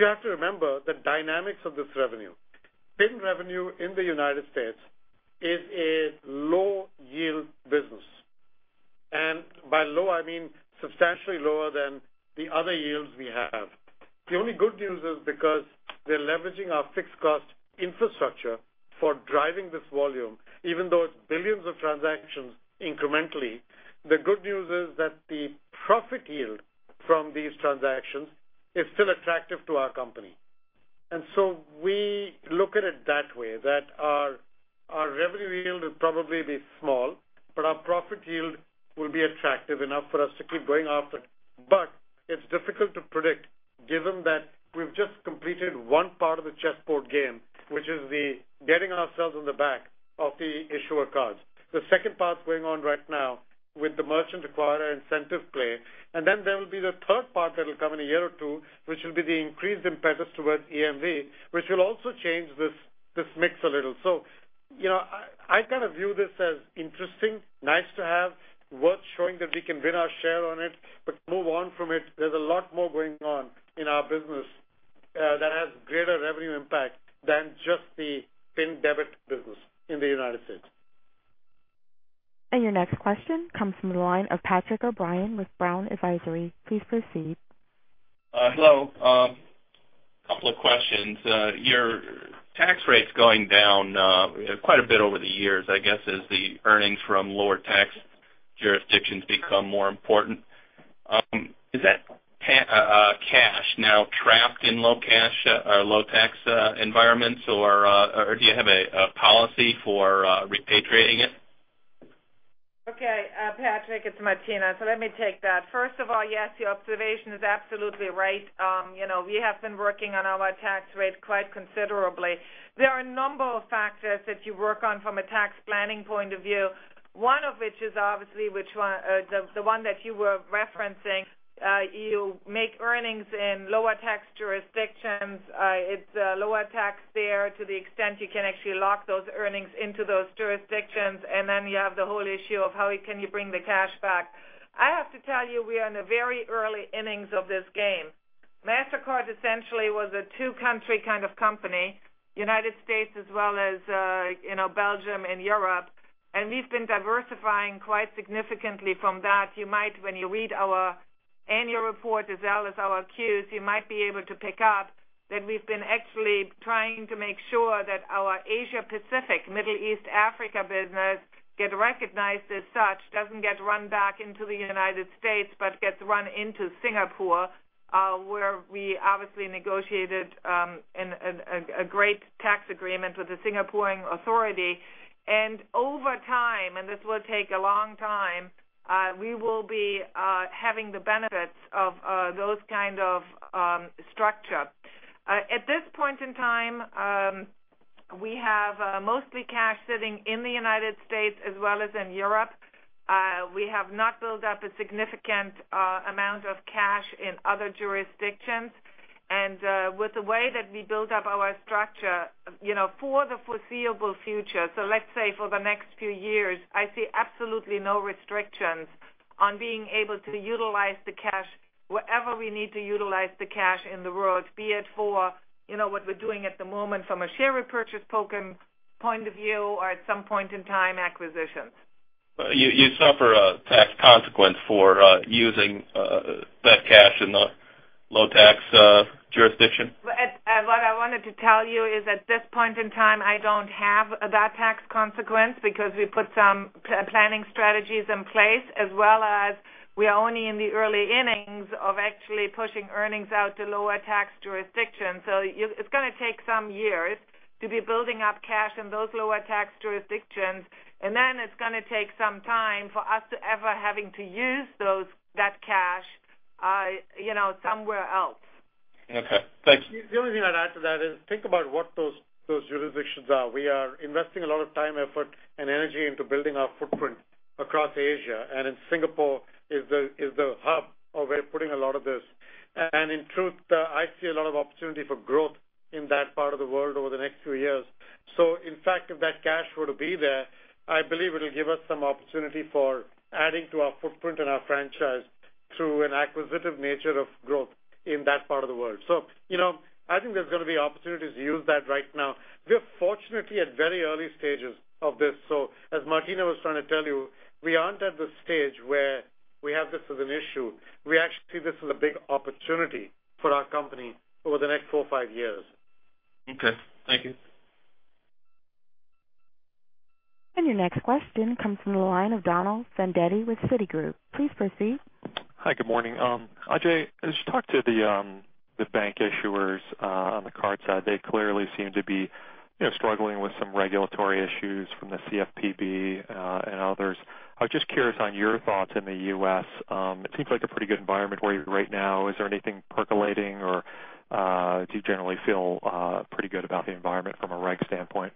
You have to remember the dynamics of this revenue. PIN revenue in the U.S. is a low-yield business. By low, I mean substantially lower than the other yields we have. The only good news is because they're leveraging our fixed-cost infrastructure for driving this volume, even though it's billions of transactions incrementally, the good news is that the profit yield from these transactions is still attractive to our company. We look at it that way, that our revenue yield will probably be small, but our profit yield will be attractive enough for us to keep going after it. It's difficult to predict, given that we've just completed one part of the chessboard game, which is getting ourselves on the back of the issuer cards. The second part's going on right now with the merchant-acquirer incentive play. There will be the third part that will come in a year or two, which will be the increased impetus toward EMV, which will also change this mix a little. I kind of view this as interesting, nice to have, worth showing that we can win our share on it. Move on from it. There's a lot more going on in our business that has greater revenue impact than just the PIN debit business in the U.S. Your next question comes from the line of Patrick O'Brien with Brown Advisory. Please proceed. Hello. A couple of questions. Your tax rate's going down quite a bit over the years, I guess, as the earnings from lower tax jurisdictions become more important. Is that cash now trapped in low-cash or low-tax environments? Do you have a policy for repatriating it? OK, Patrick, it's Martina. Let me take that. First of all, yes, your observation is absolutely right. We have been working on our tax rate quite considerably. There are a number of factors that you work on from a tax planning point of view, one of which is obviously the one that you were referencing. You make earnings in lower tax jurisdictions. It's a lower tax there to the extent you can actually lock those earnings into those jurisdictions. You have the whole issue of how can you bring the cash back. I have to tell you, we are in the very early innings of this game. Mastercard essentially was a two-country kind of company, United States as well as, you know, Belgium and Europe. We've been diversifying quite significantly from that. When you read our annual report as well as our queues, you might be able to pick up that we've been actually trying to make sure that our Asia-Pacific, Middle East, Africa business gets recognized as such, doesn't get run back into the United States, but gets run into Singapore, where we obviously negotiated a great tax agreement with the Singaporean authority. Over time, and this will take a long time, we will be having the benefits of those kinds of structures. At this point in time, we have mostly cash sitting in the United States as well as in Europe. We have not built up a significant amount of cash in other jurisdictions. With the way that we built up our structure, for the foreseeable future, let's say for the next few years, I see absolutely no restrictions on being able to utilize the cash wherever we need to utilize the cash in the world, be it for what we're doing at the moment from a share repurchase program point of view or at some point in time acquisitions. It's not a tax consequence for using that cash in the low-tax jurisdiction? What I wanted to tell you is at this point in time, I don't have that tax consequence because we put some planning strategies in place, as well as we are only in the early innings of actually pushing earnings out to lower tax jurisdictions. It is going to take some years to be building up cash in those lower tax jurisdictions, and then it's going to take some time for us to ever having to use that cash, you know, somewhere else. OK, thanks. The only thing I'd add to that is think about what those jurisdictions are. We are investing a lot of time, effort, and energy into building our footprint across Asia. In Singapore is the hub of where we're putting a lot of this. In truth, I see a lot of opportunity for growth in that part of the world over the next few years. In fact, if that cash were to be there, I believe it'll give us some opportunity for adding to our footprint and our franchise through an acquisitive nature of growth in that part of the world. I think there's going to be opportunities to use that right now. We are fortunately at very early stages of this. As Martina was trying to tell you, we aren't at the stage where we have this as an issue. We actually see this as a big opportunity for our company over the next four or five years. OK, thank you. Your next question comes from the line of Donald Fandetti with Citigroup. Please proceed. Hi, good morning. Ajay, as you talk to the bank issuers on the card side, they clearly seem to be struggling with some regulatory issues from the CFPB and others. I was just curious on your thoughts in the U.S. It seems like a pretty good environment where you're right now. Is there anything percolating? Or do you generally feel pretty good about the environment from a reg standpoint?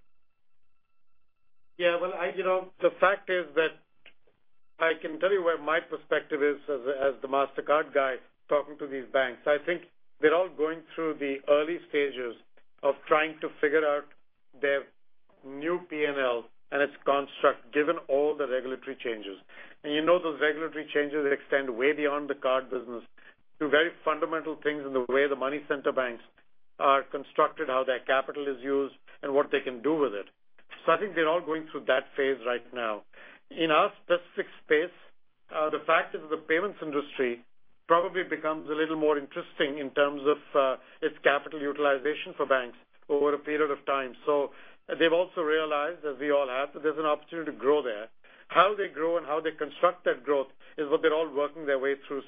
Yeah, you know, the fact is that I can tell you where my perspective is as the Mastercard guy talking to these banks. I think they're all going through the early stages of trying to figure out their new P&L and its construct, given all the regulatory changes. You know those regulatory changes extend way beyond the card business to very fundamental things in the way the money center banks are constructed, how that capital is used, and what they can do with it. I think they're all going through that phase right now. In our specific space, the fact is that the payments industry probably becomes a little more interesting in terms of its capital utilization for banks over a period of time. They've also realized, as we all have, that there's an opportunity to grow there. How they grow and how they construct that growth is what they're all working their way through.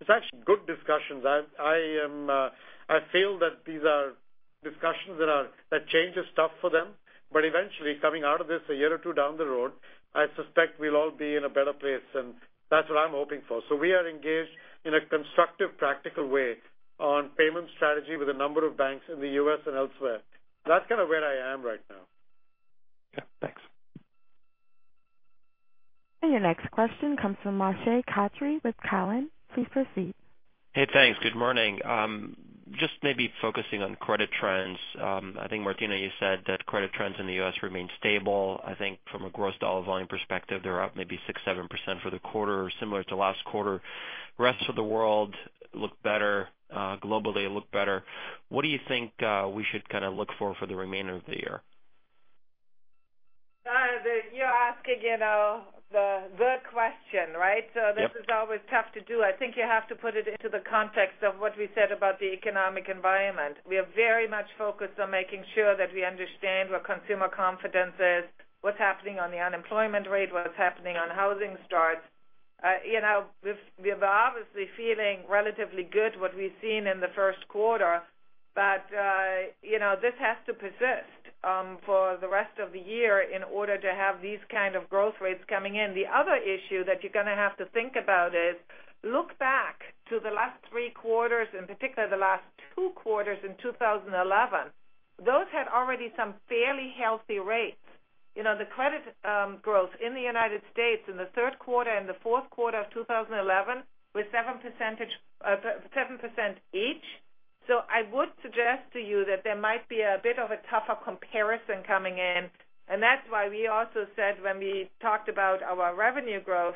It's actually good discussions. I feel that these are discussions that change is tough for them. Eventually, coming out of this a year or two down the road, I suspect we'll all be in a better place. That's what I'm hoping for. We are engaged in a constructive, practical way on payment strategy with a number of banks in the U.S. and elsewhere. That's kind of where I am right now. Yeah, thanks. Your next question comes from Moshe Katri with Cowen. Please proceed. Hey, thanks. Good morning. Just maybe focusing on credit trends. I think, Martina, you said that credit trends in the U.S. remain stable. I think from a gross dollar volume perspective, they're up maybe 6%, 7% for the quarter, similar to last quarter. The rest of the world looked better. Globally, it looked better. What do you think we should kind of look for for the remainder of the year? You're asking the question, right? This is always tough to do. I think you have to put it into the context of what we said about the economic environment. We are very much focused on making sure that we understand what consumer confidence is, what's happening on the unemployment rate, what's happening on housing starts. We're obviously feeling relatively good about what we've seen in the first quarter. This has to persist for the rest of the year in order to have these kinds of growth rates coming in. The other issue that you're going to have to think about is to look back to the last three quarters, in particular the last two quarters in 2011. Those had already some fairly healthy rates. The credit growth in the U.S. in the third quarter and the fourth quarter of 2011 was 7% each. I would suggest to you that there might be a bit of a tougher comparison coming in. That's why we also said, when we talked about our revenue growth,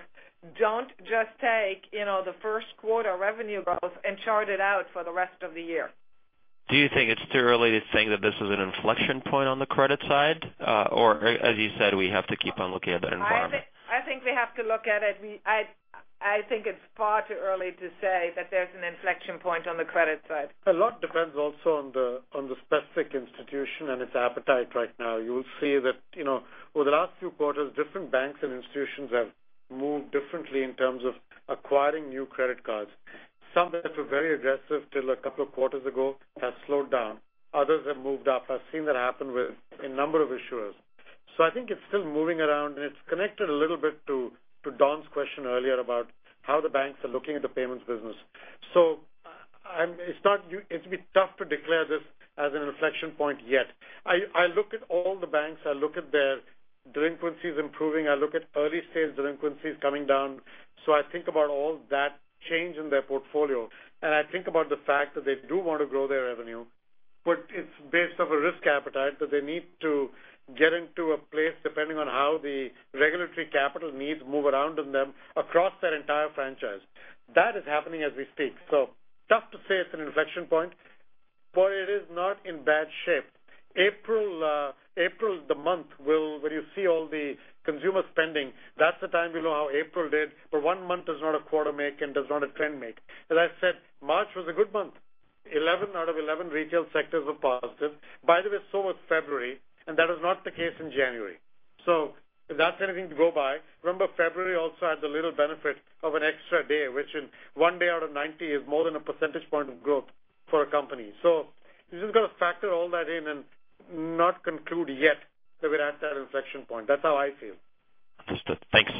don't just take the first quarter revenue growth and chart it out for the rest of the year. Do you think it's too early to say that this is an inflection point on the credit side, or, as you said, we have to keep on looking at that environment? I think we have to look at it. I think it's far too early to say that there's an inflection point on the credit side. A lot depends also on the specific institution and its appetite right now. You'll see that over the last few quarters, different banks and institutions have moved differently in terms of acquiring new credit cards. Some that were very aggressive till a couple of quarters ago have slowed down. Others have moved up. I've seen that happen with a number of issuers. I think it's still moving around. It's connected a little bit to Don's question earlier about how the banks are looking at the payments business. It's going to be tough to declare this as an inflection point yet. I look at all the banks. I look at their delinquencies improving. I look at early-stage delinquencies coming down. I think about all that change in their portfolio. I think about the fact that they do want to grow their revenue. It's based on a risk appetite that they need to get into a place, depending on how the regulatory capital needs move around in them across their entire franchise. That is happening as we speak. Tough to say it's an inflection point. It is not in bad shape. April is the month where you see all the consumer spending. That's the time we know how April did. One month does not a quarter make and does not a trend make. As I said, March was a good month. 11 out of 11 retail sectors were positive. By the way, so was February. That was not the case in January. If that's anything to go by. Remember, February also had the little benefit of an extra day, which in one day out of 90 is more than a percentage point of growth for a company. You've just got to factor all that in and not conclude yet that we're at that inflection point. That's how I feel. Understood. Thanks.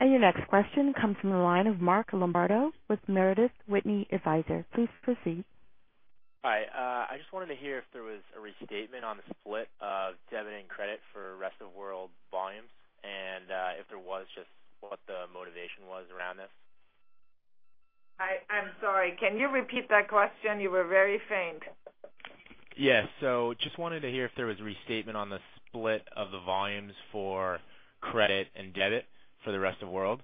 Your next question comes from the line of Marc Lombardo with Meredith Whitney Advisory. Please proceed. Hi, I just wanted to hear if there was a restatement on the split of debit and credit for rest of world volumes, and if there was, just what the motivation was around this. I'm sorry. Can you repeat that question? You were very faint. Yes, I just wanted to hear if there was a restatement on the split of the volumes for credit and debit for the rest of the world.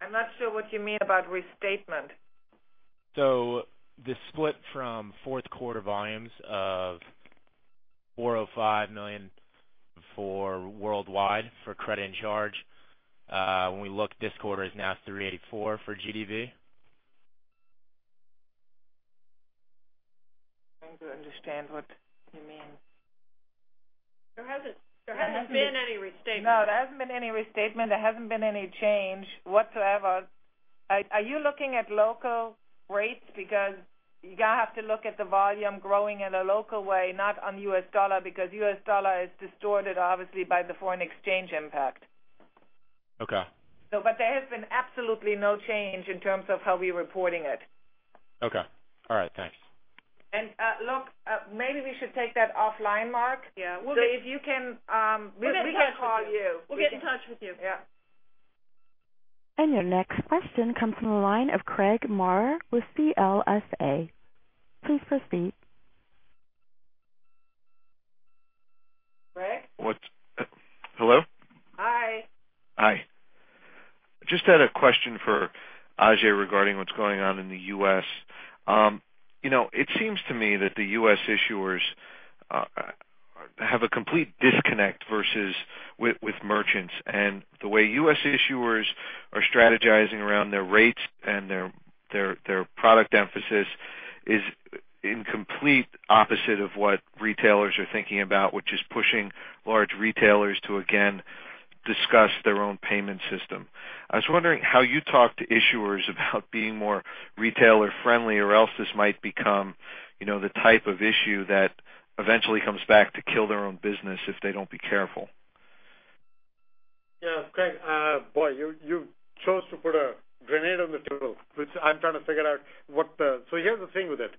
I'm not sure what you mean about restatement. The split from fourth quarter volumes of $405 million for worldwide for credit and charge, when we look this quarter, is now $384 million for GDV. I don't understand what you mean. There hasn't been any restatement. No, there hasn't been any restatement. There hasn't been any change whatsoever. Are you looking at local rates? Because you're going to have to look at the volume growing in a local way, not on the U.S. dollar, because the U.S. dollar is distorted, obviously, by the foreign exchange impact. OK. There has been absolutely no change in terms of how we're reporting it. OK, all right, thanks. Maybe we should take that offline, Mark. If you can, we can call you. We'll get in touch with you. Your next question comes from the line of Craig Maurer with CLSA. Please proceed. Hello? Hi. Hi. I just had a question for Ajay regarding what's going on in the U.S. It seems to me that the U.S. issuers have a complete disconnect versus with merchants. The way U.S. issuers are strategizing around their rates and their product emphasis is in complete opposite of what retailers are thinking about, which is pushing large retailers to again discuss their own payment system. I was wondering how you talk to issuers about being more retailer-friendly, or else this might become the type of issue that eventually comes back to kill their own business if they don't be careful. Yeah, Craig, you chose to put a grenade on the table, which I'm trying to figure out what the—so here's the thing with it.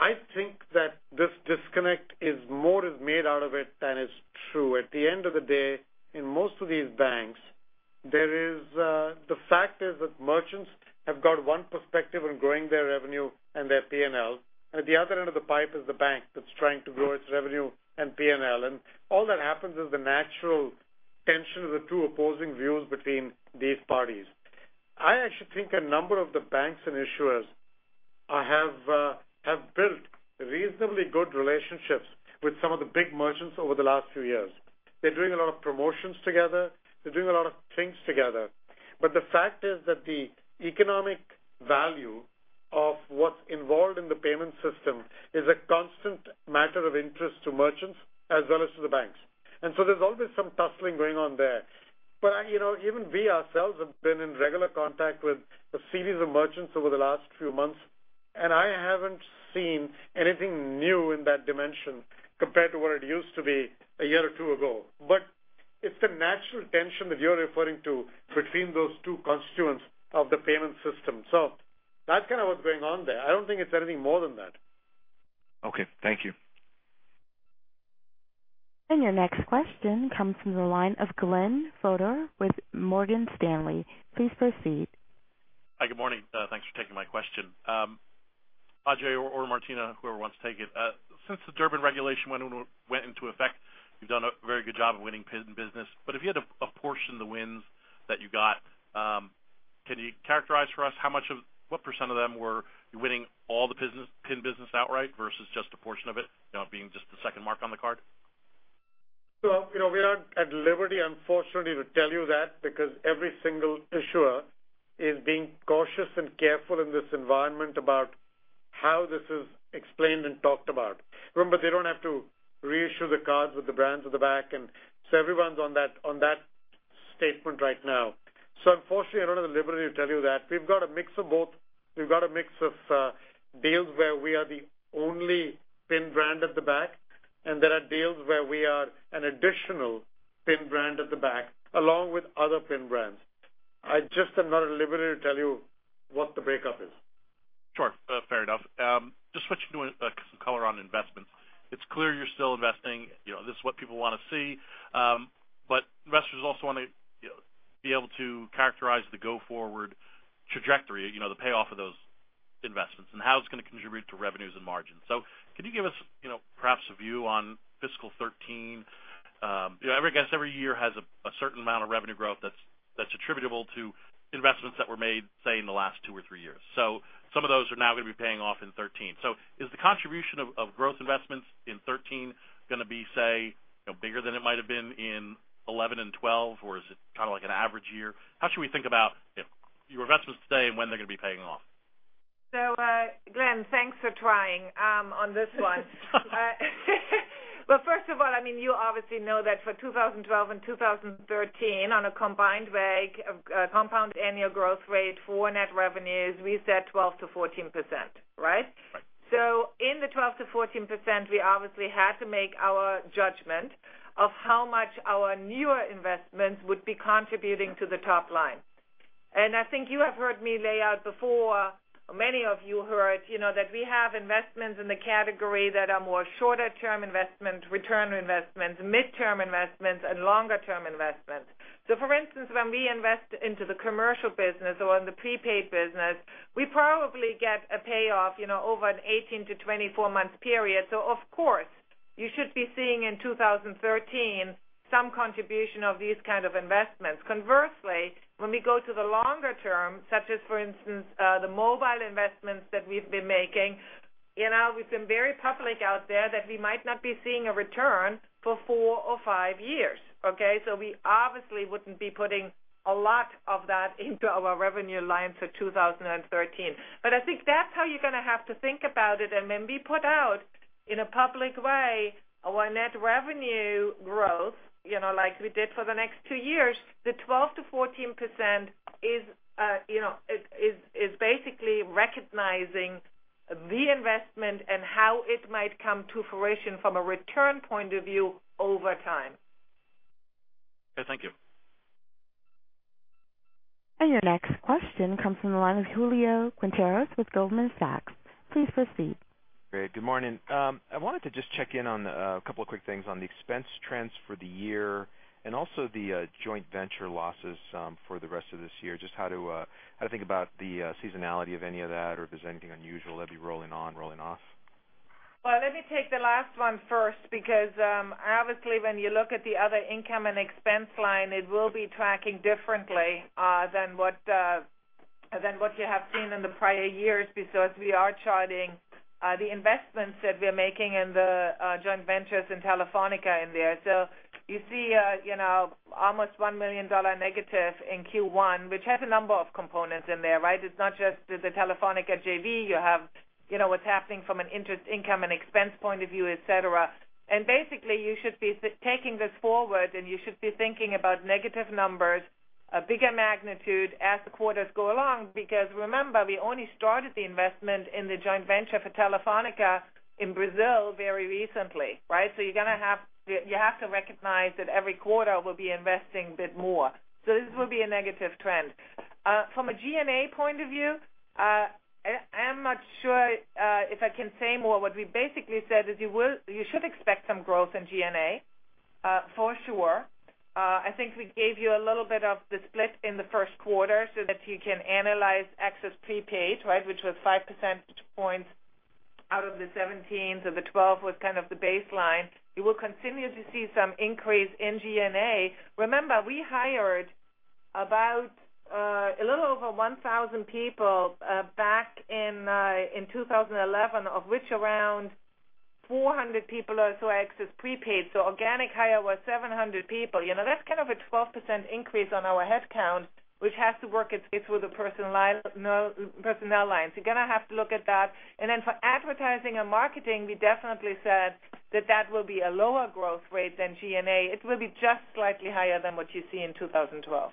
I think that this disconnect is more made out of it than it's true. At the end of the day, in most of these banks, the fact is that merchants have got one perspective on growing their revenue and their P&L. At the other end of the pipe is the bank that's trying to grow its revenue and P&L. All that happens is the natural tension of the two opposing views between these parties. I actually think a number of the banks and issuers have built reasonably good relationships with some of the big merchants over the last few years. They're doing a lot of promotions together. They're doing a lot of things together. The fact is that the economic value of what's involved in the payment system is a constant matter of interest to merchants as well as to the banks. There is always some tussling going on there. Even we ourselves have been in regular contact with a series of merchants over the last few months. I haven't seen anything new in that dimension compared to what it used to be a year or two ago. It's the natural tension that you're referring to between those two constituents of the payment system. That's kind of what's going on there. I don't think it's anything more than that. OK, thank you. Your next question comes from the line of Glenn Fodor with Morgan Stanley. Please proceed. Hi, good morning. Thanks for taking my question. Ajay or Martina, whoever wants to take it, since the Durbin regulation went into effect, you've done a very good job of winning PIN business. If you had to apportion the wins that you got, can you characterize for us how much of what % of them were you winning all the PIN business outright versus just a portion of it, you know, being just the second mark on the card? We're not at liberty, unfortunately, to tell you that because every single issuer is being cautious and careful in this environment about how this is explained and talked about. Remember, they don't have to reissue the cards with the brands at the back. Everyone's on that statement right now. Unfortunately, I don't have the liberty to tell you that. We've got a mix of both. We've got a mix of deals where we are the only PIN brand at the back, and there are deals where we are an additional PIN brand at the back, along with other PIN brands. I just am not at liberty to tell you what the breakup is. Sure, fair enough. Just switching to some color on investments. It's clear you're still investing. This is what people want to see. Investors also want to be able to characterize the go-forward trajectory, the payoff of those investments and how it's going to contribute to revenues and margins. Can you give us, perhaps, a view on fiscal 2013? I guess every year has a certain amount of revenue growth that's attributable to investments that were made, say, in the last two or three years. Some of those are now going to be paying off in 2013. Is the contribution of growth investments in 2013 going to be, say, bigger than it might have been in 2011 and 2012? Or is it kind of like an average year? How should we think about your investments today and when they're going to be paying off? Glenn, thanks for trying on this one. First of all, you obviously know that for 2012 and 2013, on a combined way of compound annual growth rate for net revenues, we said 12%-14%, right? In the 12%-14%, we obviously had to make our judgment of how much our newer investments would be contributing to the top line. I think you have heard me lay out before, or many of you heard, that we have investments in the category that are more shorter-term investments, return investments, midterm investments, and longer-term investments. For instance, when we invest into the commercial business or in the prepaid business, we probably get a payoff over an 18-24 months period. Of course, you should be seeing in 2013 some contribution of these kinds of investments. Conversely, when we go to the longer term, such as, for instance, the mobile investments that we've been making, we've been very public out there that we might not be seeing a return for four or five years. We obviously wouldn't be putting a lot of that into our revenue lines for 2013. I think that's how you're going to have to think about it. When we put out in a public way our net revenue growth, like we did for the next two years, the 12%-14% is basically recognizing the investment and how it might come to fruition from a return point of view over time. OK, thank you. Your next question comes from the line of Julio Quinteros with Goldman Sachs. Please proceed. Great. Good morning. I wanted to just check in on a couple of quick things on the expense trends for the year and also the joint venture losses for the rest of this year, just how to think about the seasonality of any of that, or if there's anything unusual that'd be rolling on, rolling off. Let me take the last one first because obviously, when you look at the other income and expense line, it will be tracking differently than what you have seen in the prior years because we are charting the investments that we're making in the joint ventures and Telefónica in there. You see almost $1 million negative in Q1, which has a number of components in there, right? It's not just the Telefónica joint venture. You have what's happening from an interest income and expense point of view, etc. Basically, you should be taking this forward, and you should be thinking about negative numbers of bigger magnitude as the quarters go along because remember, we only started the investment in the joint venture for Telefónica in Brazil very recently, right? You have to recognize that every quarter we'll be investing a bit more. This will be a negative trend. From a G&A point of view, I'm not sure if I can say more. What we basically said is you should expect some growth in G&A, for sure. I think we gave you a little bit of the split in the first quarter so that you can analyze Access Prepaid, right, which was 5% points out of the 17%, so the 12% was kind of the baseline. You will continue to see some increase in G&A. Remember, we hired about a little over 1,000 people back in 2011, of which around 400 people or so are Access Prepaid. Organic hire was 700 people. That's kind of a 12% increase on our headcount, which has to work its way through the personnel lines. You have to look at that. For advertising and marketing, we definitely said that that will be a lower growth rate than G&A. It will be just slightly higher than what you see in 2012.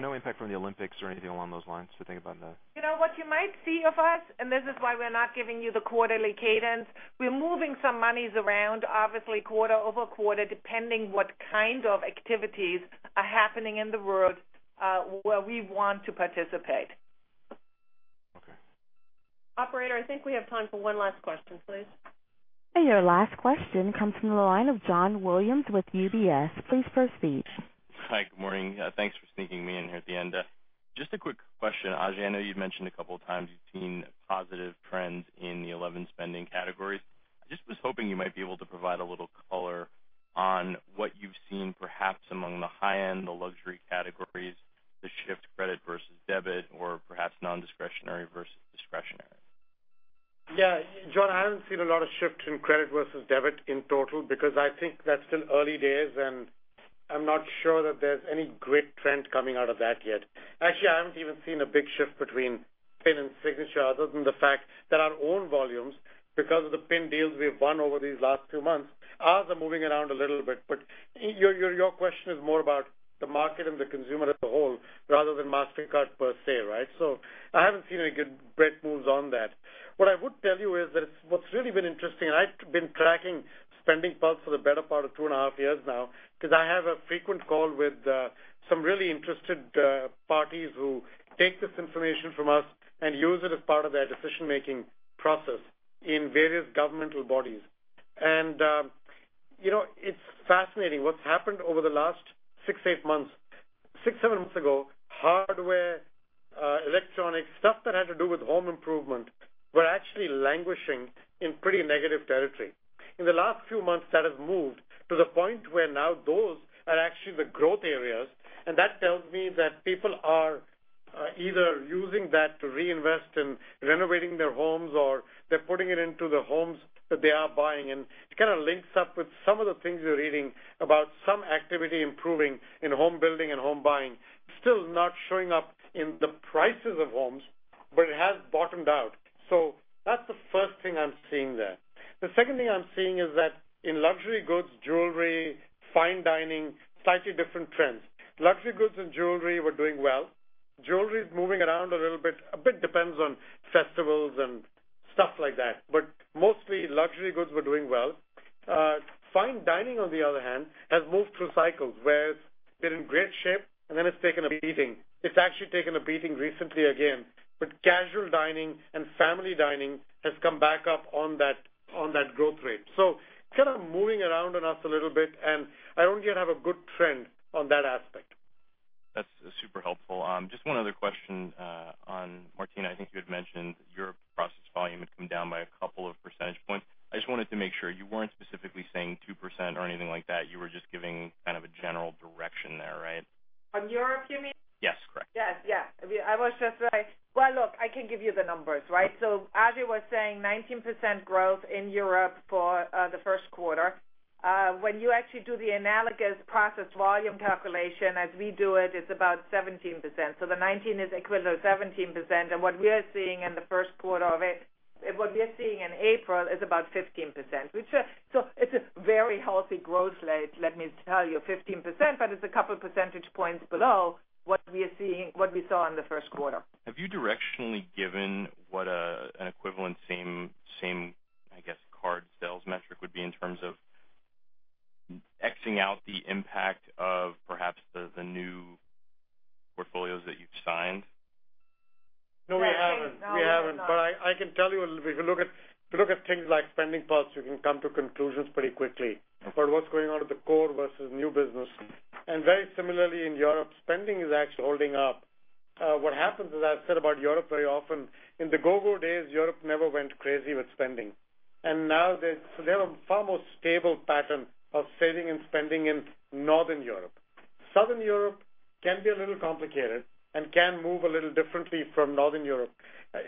No impact from the Olympics or anything along those lines to think about. You know what you might see of us? This is why we're not giving you the quarterly cadence. We're moving some monies around, obviously, quarter over quarter, depending on what kind of activities are happening in the world where we want to participate. OK. Operator, I think we have time for one last question, please. Your last question comes from the line of John Williams with UBS. Please proceed. Hi, good morning. Thanks for sneaking me in here at the end. Just a quick question, Ajay. I know you've mentioned a couple of times you've seen positive trends in the 11 spending categories. I just was hoping you might be able to provide a little color on what you've seen perhaps among the high-end, the luxury categories, the shift credit versus debit, or perhaps non-discretionary versus discretionary. Yeah, John, I haven't seen a lot of shift in credit versus debit in total because I think that's still early days. I'm not sure that there's any great trend coming out of that yet. Actually, I haven't even seen a big shift between PIN and signature, other than the fact that our own volumes, because of the PIN deals we've won over these last two months, are moving around a little bit. Your question is more about the market and the consumer as a whole rather than Mastercard per se, right? I haven't seen any good moves on that. What I would tell you is that what's really been interesting, and I've been tracking Spending Pulse for the better part of two and a half years now because I have a frequent call with some really interested parties who take this information from us and use it as part of their decision-making process in various governmental bodies. It's fascinating. What's happened over the last six, eight months? Six, seven months ago, hardware, electronics, stuff that had to do with home improvement were actually languishing in pretty negative territory. In the last few months, that has moved to the point where now those are actually the growth areas. That tells me that people are either using that to reinvest in renovating their homes, or they're putting it into the homes that they are buying. It kind of links up with some of the things you're reading about some activity improving in home building and home. Still not showing up in the prices of homes, but it has bottomed out. That's the first thing I'm seeing there. The second thing I'm seeing is that in luxury goods, jewelry, fine dining, slightly different trends. Luxury goods and jewelry were doing well. Jewelry is moving around a little bit. It depends on festivals and stuff like that, but mostly luxury goods were doing well. Fine dining, on the other hand, has moved through cycles where it's been in great shape and then it's taken a beating. It's actually taken a beating recently again. Casual dining and family dining have come back up on that growth rate, kind of moving around on us a little bit, and I don't yet have a good trend on that aspect. That's super helpful. Just one other question, on Martina. I think you had mentioned Europe process volume had come down by a couple of percentage points. I just wanted to make sure you weren't specifically saying 2% or anything like that. You were just giving kind of a general direction there, right? On Europe, you mean? Yes, correct. Yes, yeah. I was just right. Look, I can give you the numbers, right? As you were saying, 19% growth in Europe for the first quarter. When you actually do the analogous process volume calculation, as we do it, it's about 17%. The 19% is equal to 17%. What we are seeing in the first quarter of it, what we are seeing in April is about 15%, which is a very healthy growth rate, let me tell you, 15%, but it's a couple percentage points below what we are seeing, what we saw in the first quarter. Have you directionally given what an equivalent same card sales metric would be in terms of X-ing out the impact of perhaps the new portfolios that you've signed? No, we haven't. We haven't. If you look at things like spending parts, you can come to conclusions pretty quickly about what's going on at the core versus new business. Very similarly in Europe, spending is actually holding up. What happens is, as I said about Europe very often, in the go-go days, Europe never went crazy with spending. Now they have a far more stable pattern of saving and spending in Northern Europe. Southern Europe can be a little complicated and can move a little differently from Northern Europe.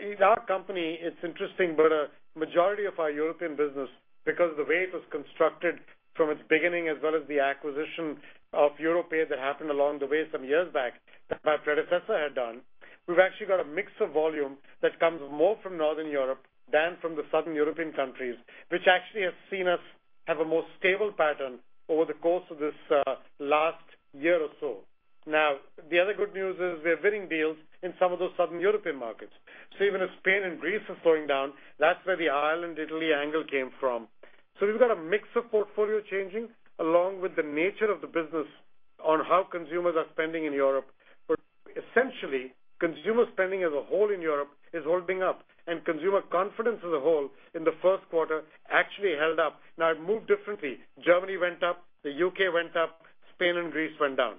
In our company, it's interesting, but a majority of our European business, because of the way it was constructed from its beginning, as well as the acquisition of Europay that happened along the way some years back that my predecessor had done, we've actually got a mix of volume that comes more from Northern Europe than from the Southern European countries, which actually has seen us have a more stable pattern over the course of this last year or so. The other good news is we're winning deals in some of those Southern European markets. Even if Spain and Greece are slowing down, that's where the Ireland-Italy angle came from. We've got a mix of portfolio changing along with the nature of the business on how consumers are spending in Europe. Essentially, consumer spending as a whole in Europe is holding up, and consumer confidence as a whole in the first quarter actually held up. It moved differently. Germany went up, the UK went up, Spain and Greece went down.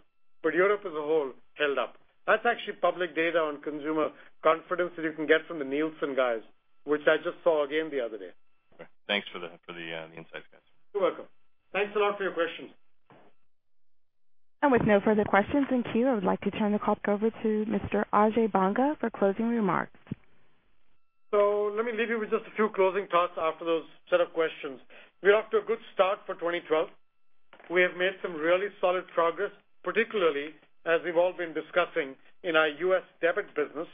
Europe as a whole held up. That's actually public data on consumer confidence that you can get from the Nielsen guys, which I just saw again the other day. Thanks for the insights, guys. You're welcome. Thanks a lot for your questions. With no further questions in queue, I would like to turn the clock over to Mr. Ajay Banga for closing remarks. Let me leave you with just a few closing thoughts after those set of questions. We're off to a good start for 2012. We have made some really solid progress, particularly as we've all been discussing in our U.S. debit business.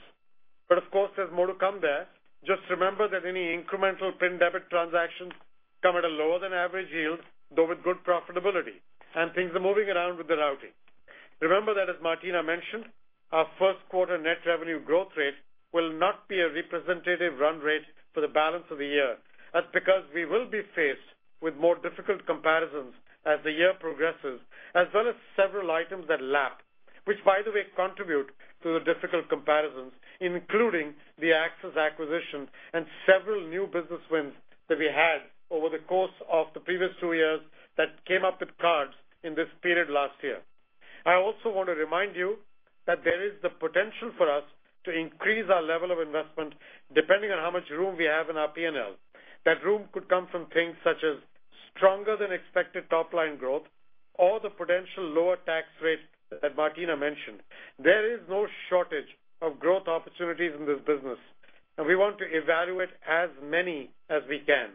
Of course, there's more to come there. Just remember that any incremental PIN debit transactions come at a lower than average yield, though with good profitability, and things are moving around with the routing. Remember that, as Martina mentioned, our first quarter net revenue growth rate will not be a representative run rate for the balance of the year. That's because we will be faced with more difficult comparisons as the year progresses, as well as several items that lapped, which by the way contribute to the difficult comparisons, including the Access acquisition and several new business wins that we had over the course of the previous two years that came up with cards in this period last year. I also want to remind you that there is the potential for us to increase our level of investment depending on how much room we have in our P&L. That room could come from things such as stronger than expected top line growth or the potential lower tax rate that Martina mentioned. There is no shortage of growth opportunities in this business. We want to evaluate as many as we can.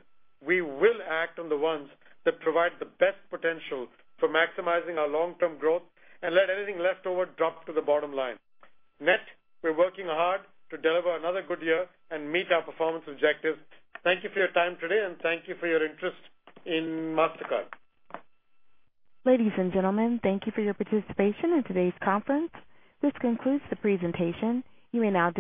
We will act on the ones that provide the best potential for maximizing our long-term growth and let anything left over drop to the bottom line. Net, we're working hard to deliver another good year and meet our performance objectives. Thank you for your time today, and thank you for your interest in Mastercard. Ladies and gentlemen, thank you for your participation in today's conference. This concludes the presentation. You may now.